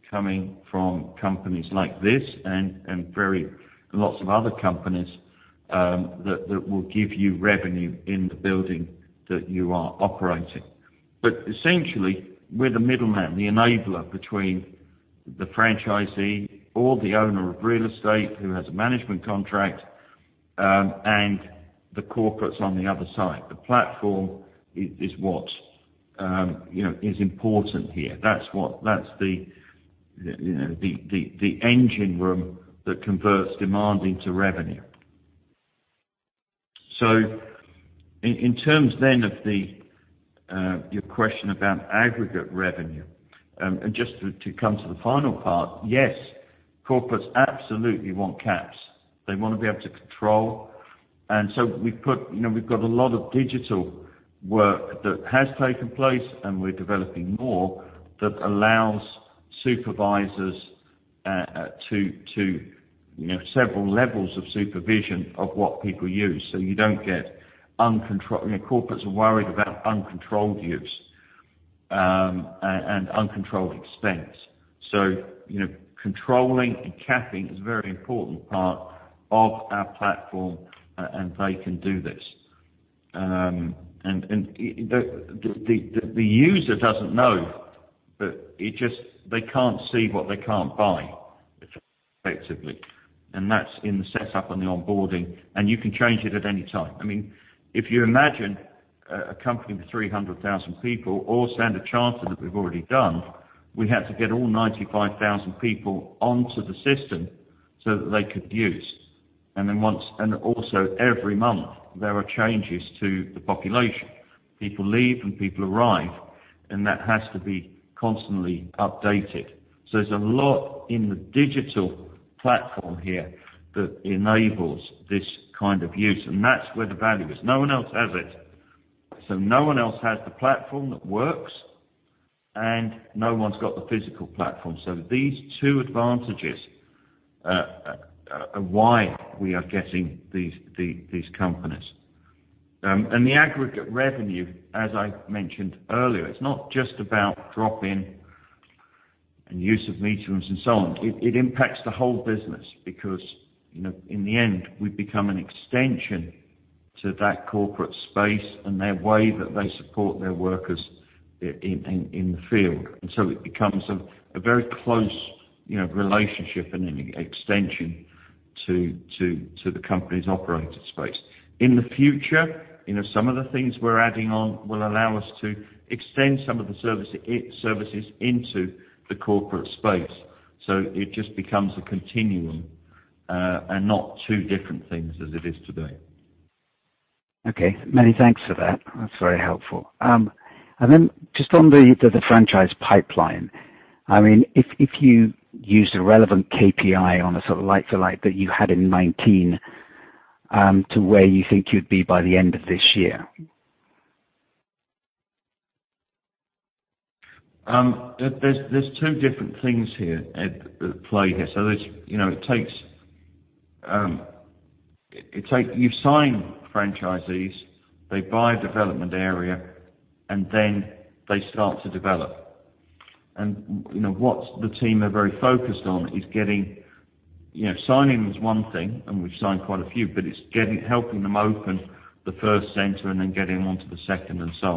coming from companies like this and lots of other companies that will give you revenue in the building that you are operating. Essentially, we're the middleman, the enabler between the franchisee or the owner of real estate who has a management contract, and the corporates on the other side. The platform is what is important here. That's the engine room that converts demand into revenue. In terms then of your question about aggregate revenue, and just to come to the final part, yes, corporates absolutely want caps. They want to be able to control. We've got a lot of digital work that has taken place, and we're developing more, that allows supervisors to several levels of supervision of what people use. You don't get uncontrolled. Corporates are worried about uncontrolled use and uncontrolled expense. Controlling and capping is a very important part of our platform, and they can do this. The user doesn't know, but they can't see what they can't buy effectively, and that's in the setup and the onboarding, and you can change it at any time. If you imagine a company with 300,000 people or Standard Chartered that we've already done, we had to get all 95,000 people onto the system so that they could use. Also every month, there are changes to the population. People leave and people arrive, and that has to be constantly updated. There's a lot in the digital platform here that enables this kind of use, and that's where the value is. No one else has it. No one else has the platform that works, and no one's got the physical platform. These two advantages are why we are getting these companies. The aggregate revenue, as I mentioned earlier, it's not just about drop-in and use of meeting rooms and so on. It impacts the whole business because, in the end, we become an extension to that corporate space and their way that they support their workers in the field. It becomes a very close relationship and an extension to the company's operated space. In the future, some of the things we're adding on will allow us to extend some of the services into the corporate space. It just becomes a continuum and not two different things as it is today. Okay. Many thanks for that. That's very helpful. Just on the franchise pipeline, if you used a relevant KPI on a sort of like for like that you had in 2019 to where you think you'd be by the end of this year? There's two different things at play here. You sign franchisees, they buy a development area, they start to develop. What the team are very focused on is getting signing is one thing, we've signed quite a few, but it's helping them open the first center getting onto the second and so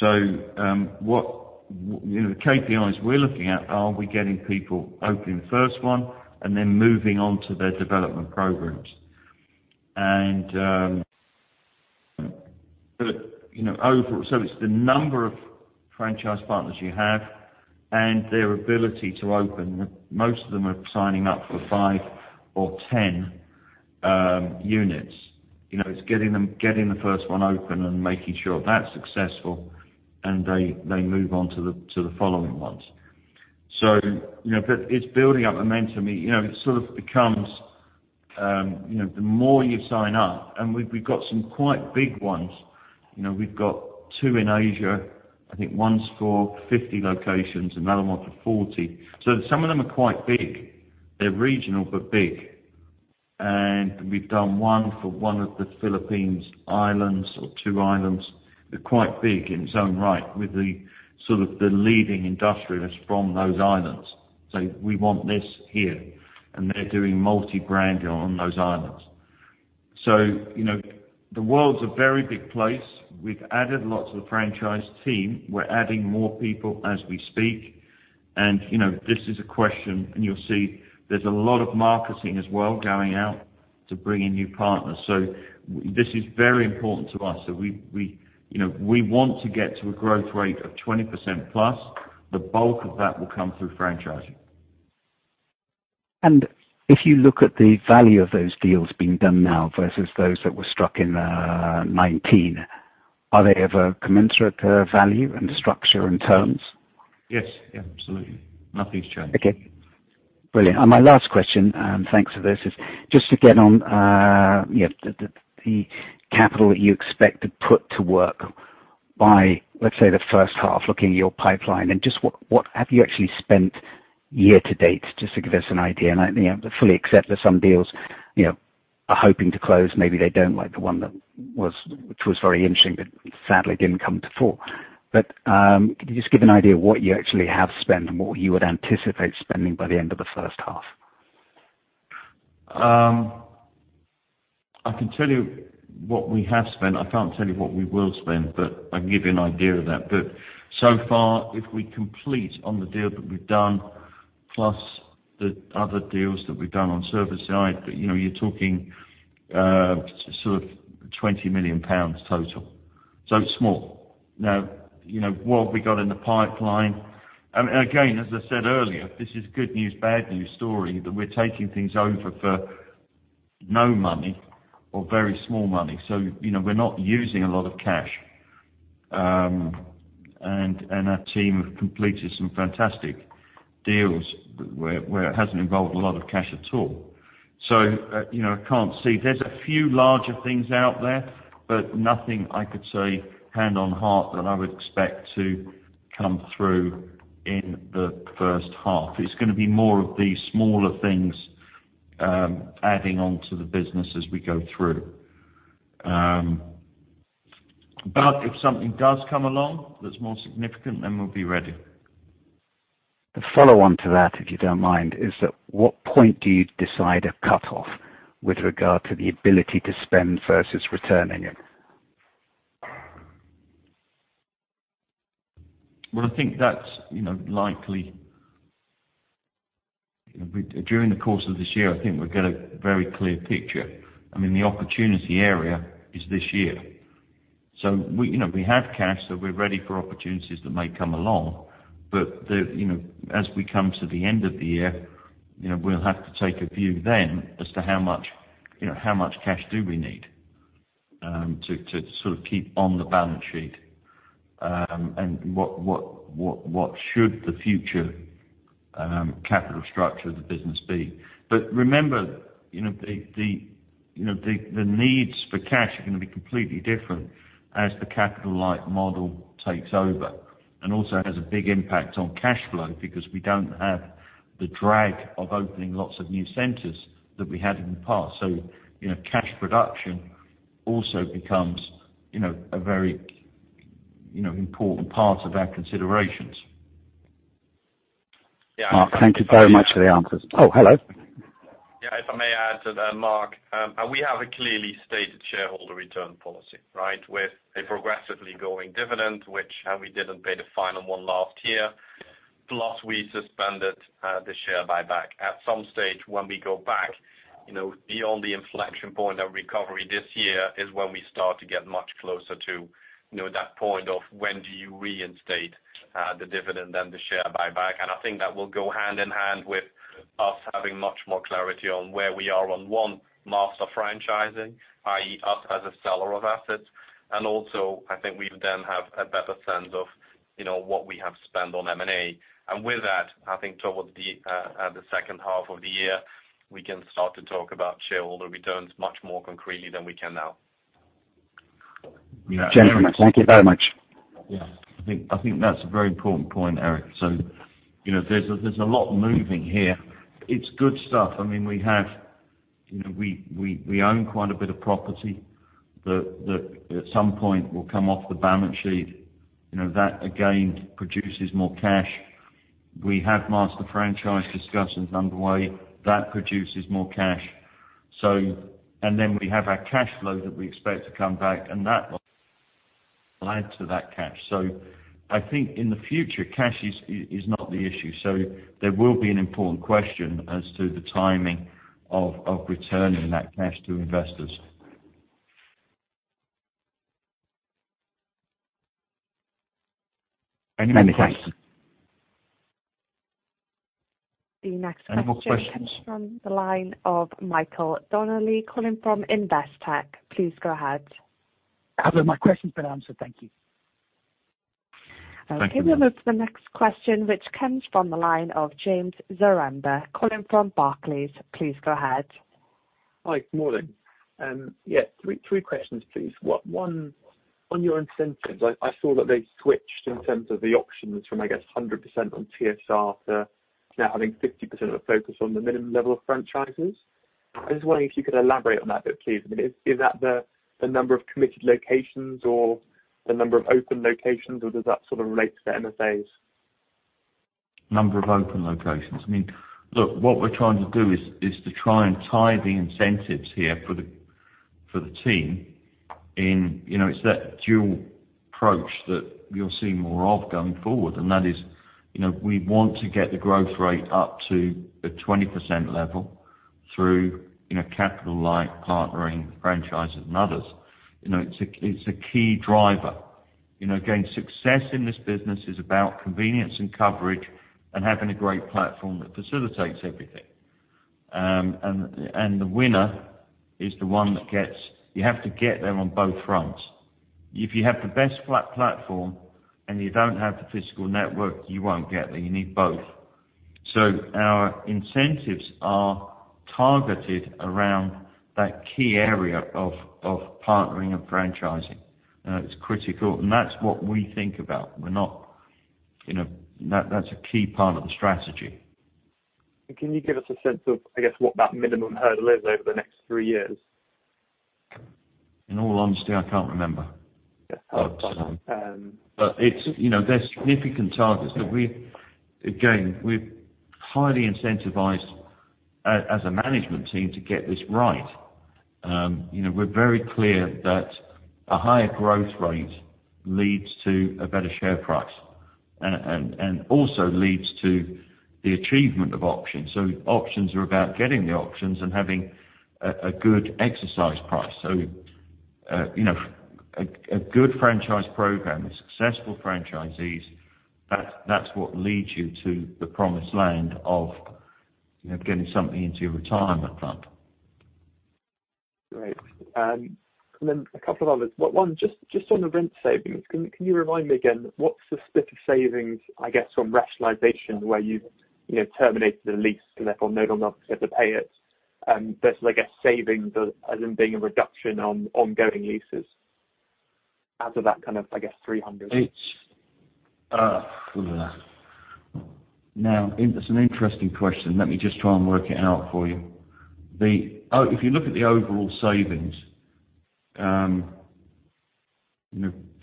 on. The KPIs we're looking at are we getting people opening the first one moving on to their development programs. It's the number of franchise partners you have and their ability to open. Most of them are signing up for five or 10 units. It's getting the first one open and making sure that's successful, and they move on to the following ones. It's building up momentum. It sort of becomes the more you sign up, and we've got some quite big ones. We've got two in Asia. I think one's for 50 locations, another one for 40. Some of them are quite big. They're regional, but big. We've done one for one of the Philippines islands or two islands. They're quite big in its own right with the sort of the leading industrialists from those islands say, "We want this here." They're doing multi-branding on those islands. The world's a very big place. We've added lots to the franchise team. We're adding more people as we speak. This is a question, and you'll see there's a lot of marketing as well going out to bring in new partners. This is very important to us. We want to get to a growth rate of 20%+. The bulk of that will come through franchising. If you look at the value of those deals being done now versus those that were struck in 2019, are they of a commensurate value in structure and terms? Yes. Yeah, absolutely. Nothing's changed. Okay. Brilliant. My last question, and thanks for this, is just again on the capital that you expect to put to work by, let's say, the first half, looking at your pipeline, and just what have you actually spent year to date, just to give us an idea? I fully accept that some deals are hoping to close, maybe they don't, like the one which was very interesting, but sadly didn't come to fruit. Could you just give an idea of what you actually have spent and what you would anticipate spending by the end of the first half? I can tell you what we have spent. I can't tell you what we will spend, but I can give you an idea of that. So far, if we complete on the deal that we've done, plus the other deals that we've done on service side, you're talking sort of 20 million pounds total. It's small. What we got in the pipeline, and again, as I said earlier, this is good news, bad news story, that we're taking things over for no money or very small money. We're not using a lot of cash. Our team have completed some fantastic deals where it hasn't involved a lot of cash at all. I can't see. There's a few larger things out there, but nothing I could say hand on heart that I would expect to come through in the first half. It's going to be more of these smaller things adding on to the business as we go through. If something does come along that's more significant, then we'll be ready. The follow-on to that, if you don't mind, is at what point do you decide a cutoff with regard to the ability to spend versus returning it? I think that's likely During the course of this year, I think we'll get a very clear picture. I mean, the opportunity area is this year. We have cash, so we're ready for opportunities that may come along. As we come to the end of the year, we'll have to take a view then as to how much cash do we need to sort of keep on the balance sheet, and what should the future capital structure of the business be. Remember, the needs for cash are going to be completely different as the capital-light model takes over and also has a big impact on cash flow because we don't have the drag of opening lots of new centers that we had in the past. Cash production also becomes a very important part of our considerations. Mark, thank you very much for the answers. Oh, hello. Yeah, if I may add to that, Mark, and we have a clearly stated shareholder return policy, right, with a progressively growing dividend, which, and we didn't pay the final one last year. We suspended the share buyback. At some stage, when we go back beyond the inflection point of recovery this year is when we start to get much closer to that point of when do you reinstate the dividend then the share buyback. I think that will go hand in hand with us having much more clarity on where we are on one master franchising, i.e., us as a seller of assets. Also, I think we'll then have a better sense of what we have spent on M&A. With that, I think towards the second half of the year, we can start to talk about shareholder returns much more concretely than we can now. Gentlemen, thank you very much. Yeah. I think that's a very important point, Eric still. There's a lot moving here. It's good stuff. We own quite a bit of property that at some point will come off the balance sheet. That, again, produces more cash. We have master franchise discussions underway. That produces more cash. We have our cash flow that we expect to come back, and that will add to that cash. I think in the future, cash is not the issue. There will be an important question as to the timing of returning that cash to investors. Any more questions? The next question. Comes from the line of Michael Donnelly, calling from Investec. Please go ahead. Mark, my question's been answered, thank you. Thank you. Okay. We'll move to the next question, which comes from the line of James Zaremba, calling from Barclays. Please go ahead. Hi. Good morning. Yeah. Three questions, please. One, on your incentives, I saw that they switched in terms of the options from, I guess, 100% on TSR to now having 50% of the focus on the minimum level of franchises. I'm just wondering if you could elaborate on that a bit, please. I mean, is that the number of committed locations or the number of open locations, or does that sort of relate to the MFAs? Number of open locations. I mean, look, what we're trying to do is to try and tie the incentives here For the team, it's that dual approach that you'll see more of going forward. That is, we want to get the growth rate up to a 20% level through capital like partnering with franchises and others. It's a key driver. Again, success in this business is about convenience and coverage and having a great platform that facilitates everything. The winner is the one that gets You have to get there on both fronts. If you have the best platform and you don't have the physical network, you won't get there. You need both. Our incentives are targeted around that key area of partnering and franchising. It's critical, and that's what we think about. That's a key part of the strategy. Can you give us a sense of, I guess, what that minimum hurdle is over the next three years? In all honesty, I can't remember. Yeah. They're significant targets that, again, we're highly incentivized as a management team to get this right. We're very clear that a higher growth rate leads to a better share price and also leads to the achievement of options. Options are about getting the options and having a good exercise price. A good franchise program with successful franchisees, that's what leads you to the promised land of getting something into your retirement fund. Great. A couple of others. One, just on the rent savings, can you remind me again, what's the split of savings, I guess, from rationalization where you've terminated a lease and therefore no longer have to pay it versus, I guess, savings as in being a reduction on ongoing leases out of that kind of, I guess, 300? That's an interesting question. Let me just try and work it out for you. If you look at the overall savings,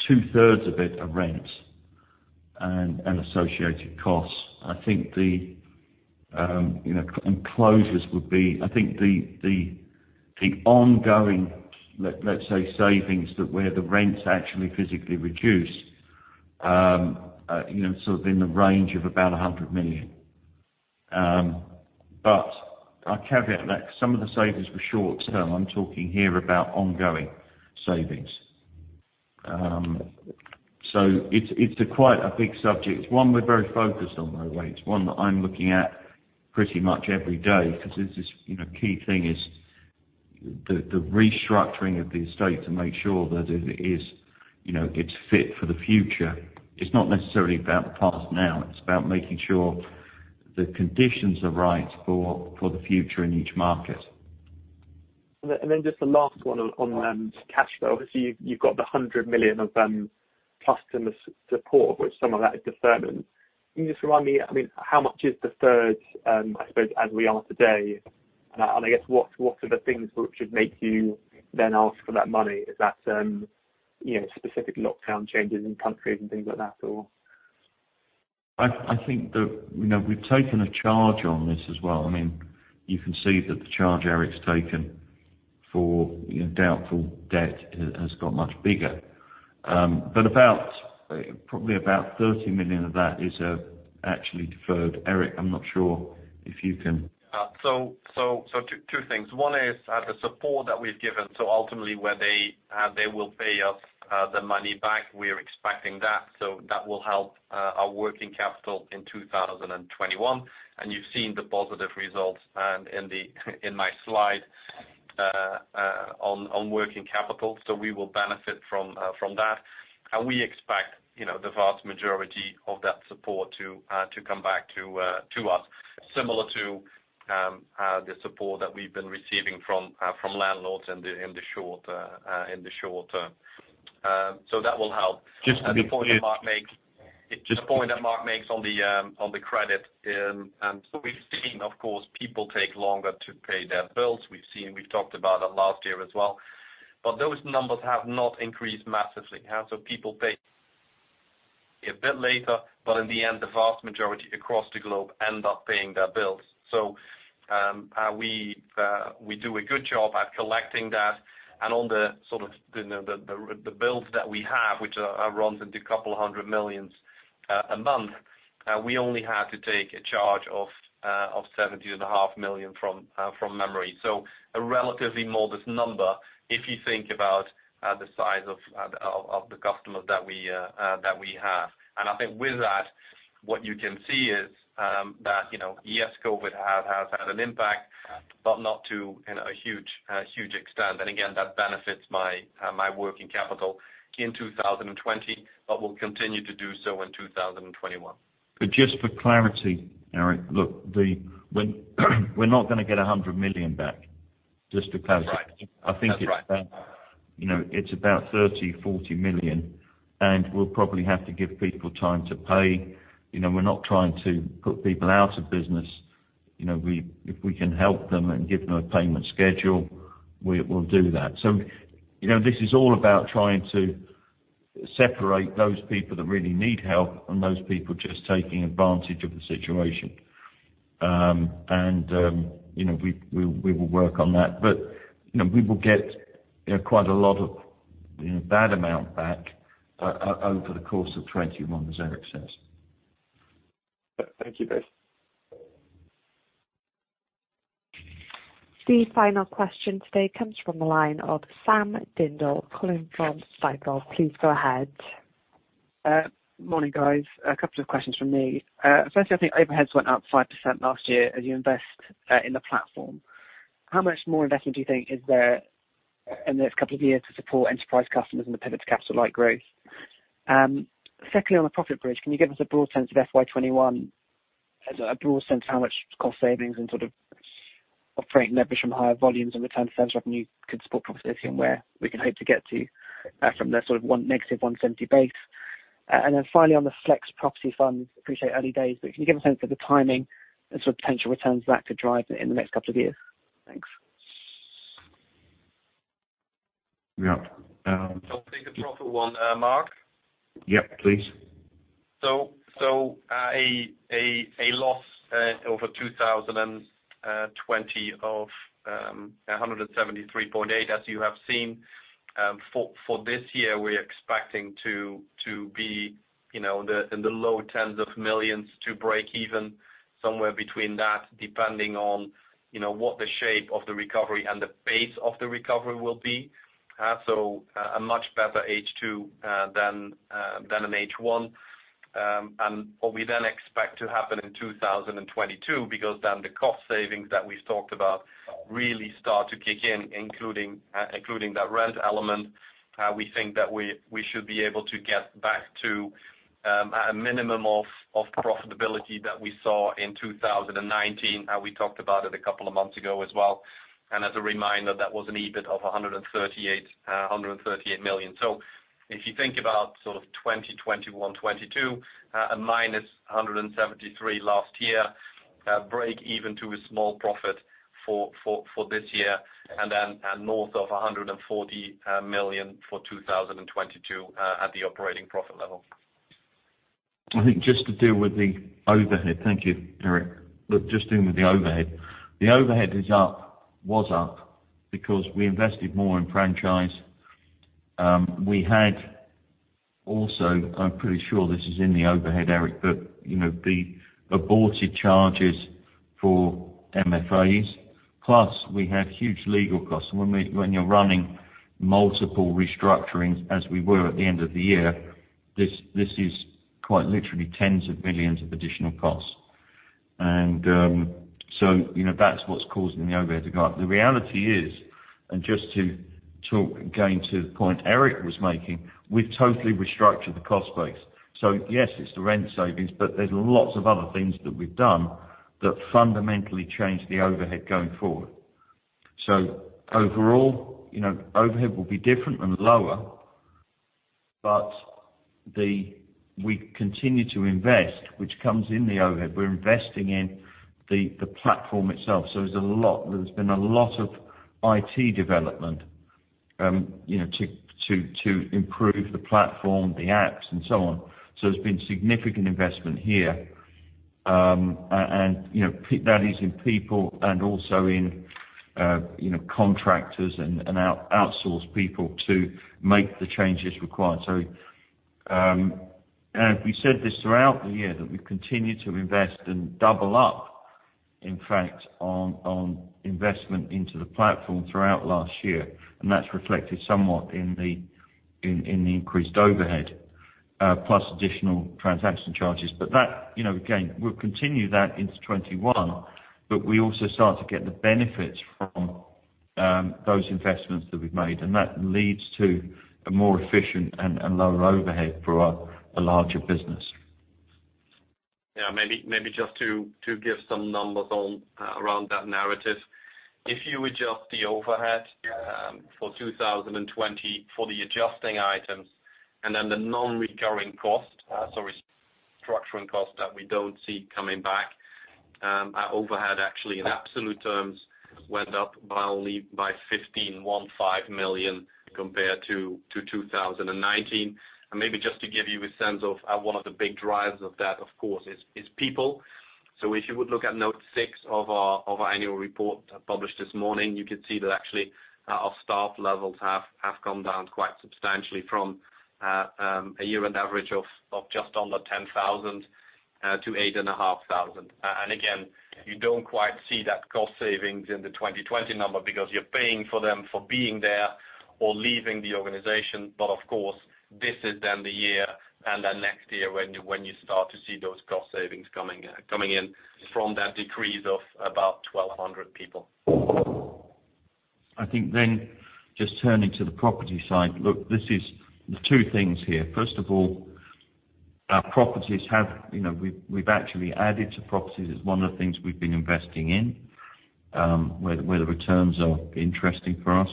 two-thirds of it are rent and associated costs. I think the closures would be the ongoing, let's say, savings that where the rents actually physically reduce, sort of in the range of about 100 million. I caveat that because some of the savings were short-term. I'm talking here about ongoing savings. It's quite a big subject. It's one we're very focused on, by the way. It's one that I'm looking at pretty much every day because the key thing is the restructuring of the estate to make sure that it's fit for the future. It's not necessarily about the past now. It's about making sure the conditions are right for the future in each market. Just the last one on cash flow. Obviously, you've got the 100 million of customer support, which some of that is deferment. Can you just remind me, how much is deferred, I suppose, as we are today? I guess, what are the things which would make you then ask for that money? Is that specific lockdown changes in countries and things like that, or? I think that we've taken a charge on this as well. You can see that the charge Eric's taken for doubtful debt has got much bigger. Probably about 30 million of that is actually deferred. Eric, I'm not sure if you can- Two things. One is the support that we've given. Ultimately, where they will pay us the money back, we are expecting that. That will help our working capital in 2021, and you've seen the positive results in my slide on working capital. We will benefit from that. We expect the vast majority of that support to come back to us, similar to the support that we've been receiving from landlords in the short term. That will help. Just to be clear. The point that Mark makes on the credit, we've seen, of course, people take longer to pay their bills. We've seen, we've talked about that last year as well. Those numbers have not increased massively. People pay a bit later, but in the end, the vast majority across the globe end up paying their bills. We do a good job at collecting that. On the bills that we have, which runs into a couple of hundred millions GBP a month, we only had to take a charge of 17.5 million from memory. A relatively modest number if you think about the size of the customers that we have. I think with that, what you can see is that, yes, COVID has had an impact, but not to a huge extent. Again, that benefits my working capital in 2020, but will continue to do so in 2021. Just for clarity, Eric, look, we're not going to get 100 million back, just for clarity. Right. That's right. I think it's about 30 million, 40 million. We'll probably have to give people time to pay. We're not trying to put people out of business. If we can help them and give them a payment schedule, we will do that. This is all about trying to separate those people that really need help and those people just taking advantage of the situation. We will work on that. We will get quite a lot of that amount back over the course of 2021, as Eric says. Thank you, guys. The final question today comes from the line of Sam Dindol calling from Stifel. Please go ahead. Morning, guys. A couple of questions from me. Firstly, I think overheads went up 5% last year as you invest in the platform. How much more investment do you think is there in the next couple of years to support enterprise customers and the pivot to capital light growth? Secondly, on the profit bridge, can you give us a broad sense of FY 2021 how much cost savings and sort of operating leverage from higher volumes and return to service revenue could support profitability and where we can hope to get to from that sort of negative 170 base. Finally, on the flex property funds, appreciate early days, but can you give a sense of the timing and sort of potential returns that could drive in the next couple of years? Thanks. Yeah. I'll take the profit one, Mark. Yep, please. A loss over 2020 of 173.8, as you have seen. For this year, we're expecting to be in the low tens of millions to break even somewhere between that, depending on what the shape of the recovery and the pace of the recovery will be. A much better H2 than an H1. What we then expect to happen in 2022, because then the cost savings that we've talked about really start to kick in, including that rent element. We think that we should be able to get back to a minimum of profitability that we saw in 2019. We talked about it a couple of months ago as well. As a reminder, that was an EBIT of 138 million. If you think about sort of 2021, 2022, a minus 173 last year, break even to a small profit for this year. North of 140 million for 2022 at the operating profit level. I think just to deal with the overhead. Thank you, Eric. Just dealing with the overhead. The overhead is up, was up because we invested more in franchise. We had also, I'm pretty sure this is in the overhead, Eric, but the aborted charges for MFAs, plus we had huge legal costs. When you're running multiple restructurings as we were at the end of the year, this is quite literally tens of millions of additional costs. That's what's causing the overhead to go up. The reality is, just to talk, going to the point Eric was making, we've totally restructured the cost base. Yes, it's the rent savings, but there's lots of other things that we've done that fundamentally change the overhead going forward. Overall, overhead will be different and lower, but we continue to invest, which comes in the overhead. We're investing in the platform itself. There's been a lot of IT development to improve the platform, the apps and so on. There's been significant investment here. That is in people and also in contractors and outsourced people to make the changes required. We said this throughout the year, that we continue to invest and double up, in fact, on investment into the platform throughout last year. That's reflected somewhat in the increased overhead, plus additional transaction charges. That, again, we'll continue that into 2021, but we also start to get the benefits from those investments that we've made. That leads to a more efficient and lower overhead for a larger business. Yeah, maybe just to give some numbers around that narrative. If you adjust the overhead for 2020 for the adjusting items and then the non-recurring cost, so restructuring cost that we don't see coming back, our overhead actually in absolute terms went up by only 15.15 million compared to 2019. Maybe just to give you a sense of one of the big drivers of that, of course, is people. If you would look at note six of our annual report published this morning, you could see that actually our staff levels have come down quite substantially from a year-end average of just under 10,000 to 8,500. Again, you don't quite see that cost savings in the 2020 number because you're paying for them for being there or leaving the organization. Of course, this is then the year and then next year when you start to see those cost savings coming in from that decrease of about 1,200 people. I think then just turning to the property side. Look, there's two things here. First of all, we've actually added to properties. It's one of the things we've been investing in, where the returns are interesting for us.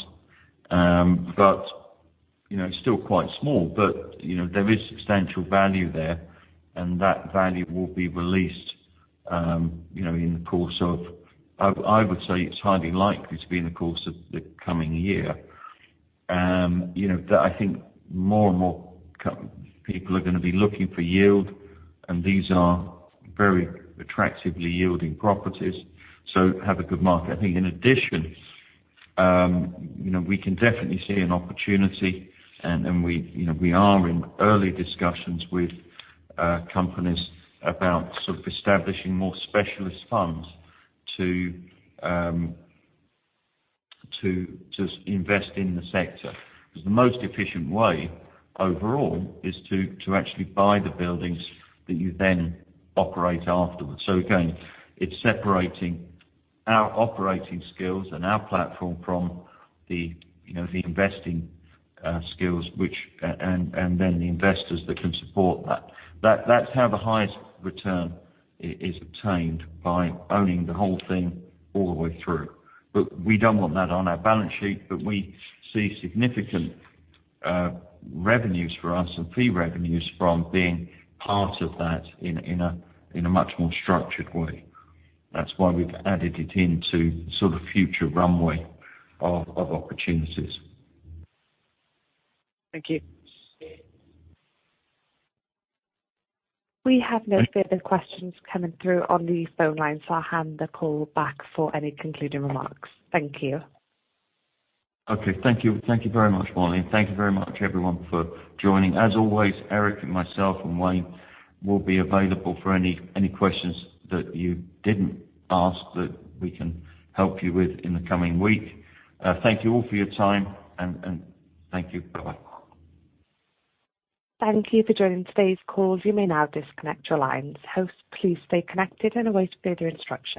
It's still quite small, but there is substantial value there, and that value will be released in the course of, I would say it's highly likely to be in the course of the coming year. I think more and more people are going to be looking for yield, and these are very attractively yielding properties, so have a good market. I think in addition, we can definitely see an opportunity, and we are in early discussions with companies about sort of establishing more specialist funds to invest in the sector. The most efficient way overall is to actually buy the buildings that you then operate afterwards. Again, it's separating our operating skills and our platform from the investing skills and then the investors that can support that. That's how the highest return is obtained by owning the whole thing all the way through. But we don't want that on our balance sheet, but we see significant revenues for us and fee revenues from being part of that in a much more structured way. That's why we've added it into sort of future runway of opportunities. Thank you. We have no further questions coming through on the phone line, so I'll hand the call back for any concluding remarks. Thank you. Okay. Thank you. Thank you very much, Molly. Thank you very much, everyone, for joining. As always, Eric and myself and Wayne will be available for any questions that you didn't ask that we can help you with in the coming week. Thank you all for your time, and thank you. Bye-bye. Thank you for joining today's call. You may now disconnect your lines. Hosts, please stay connected and await further instructions.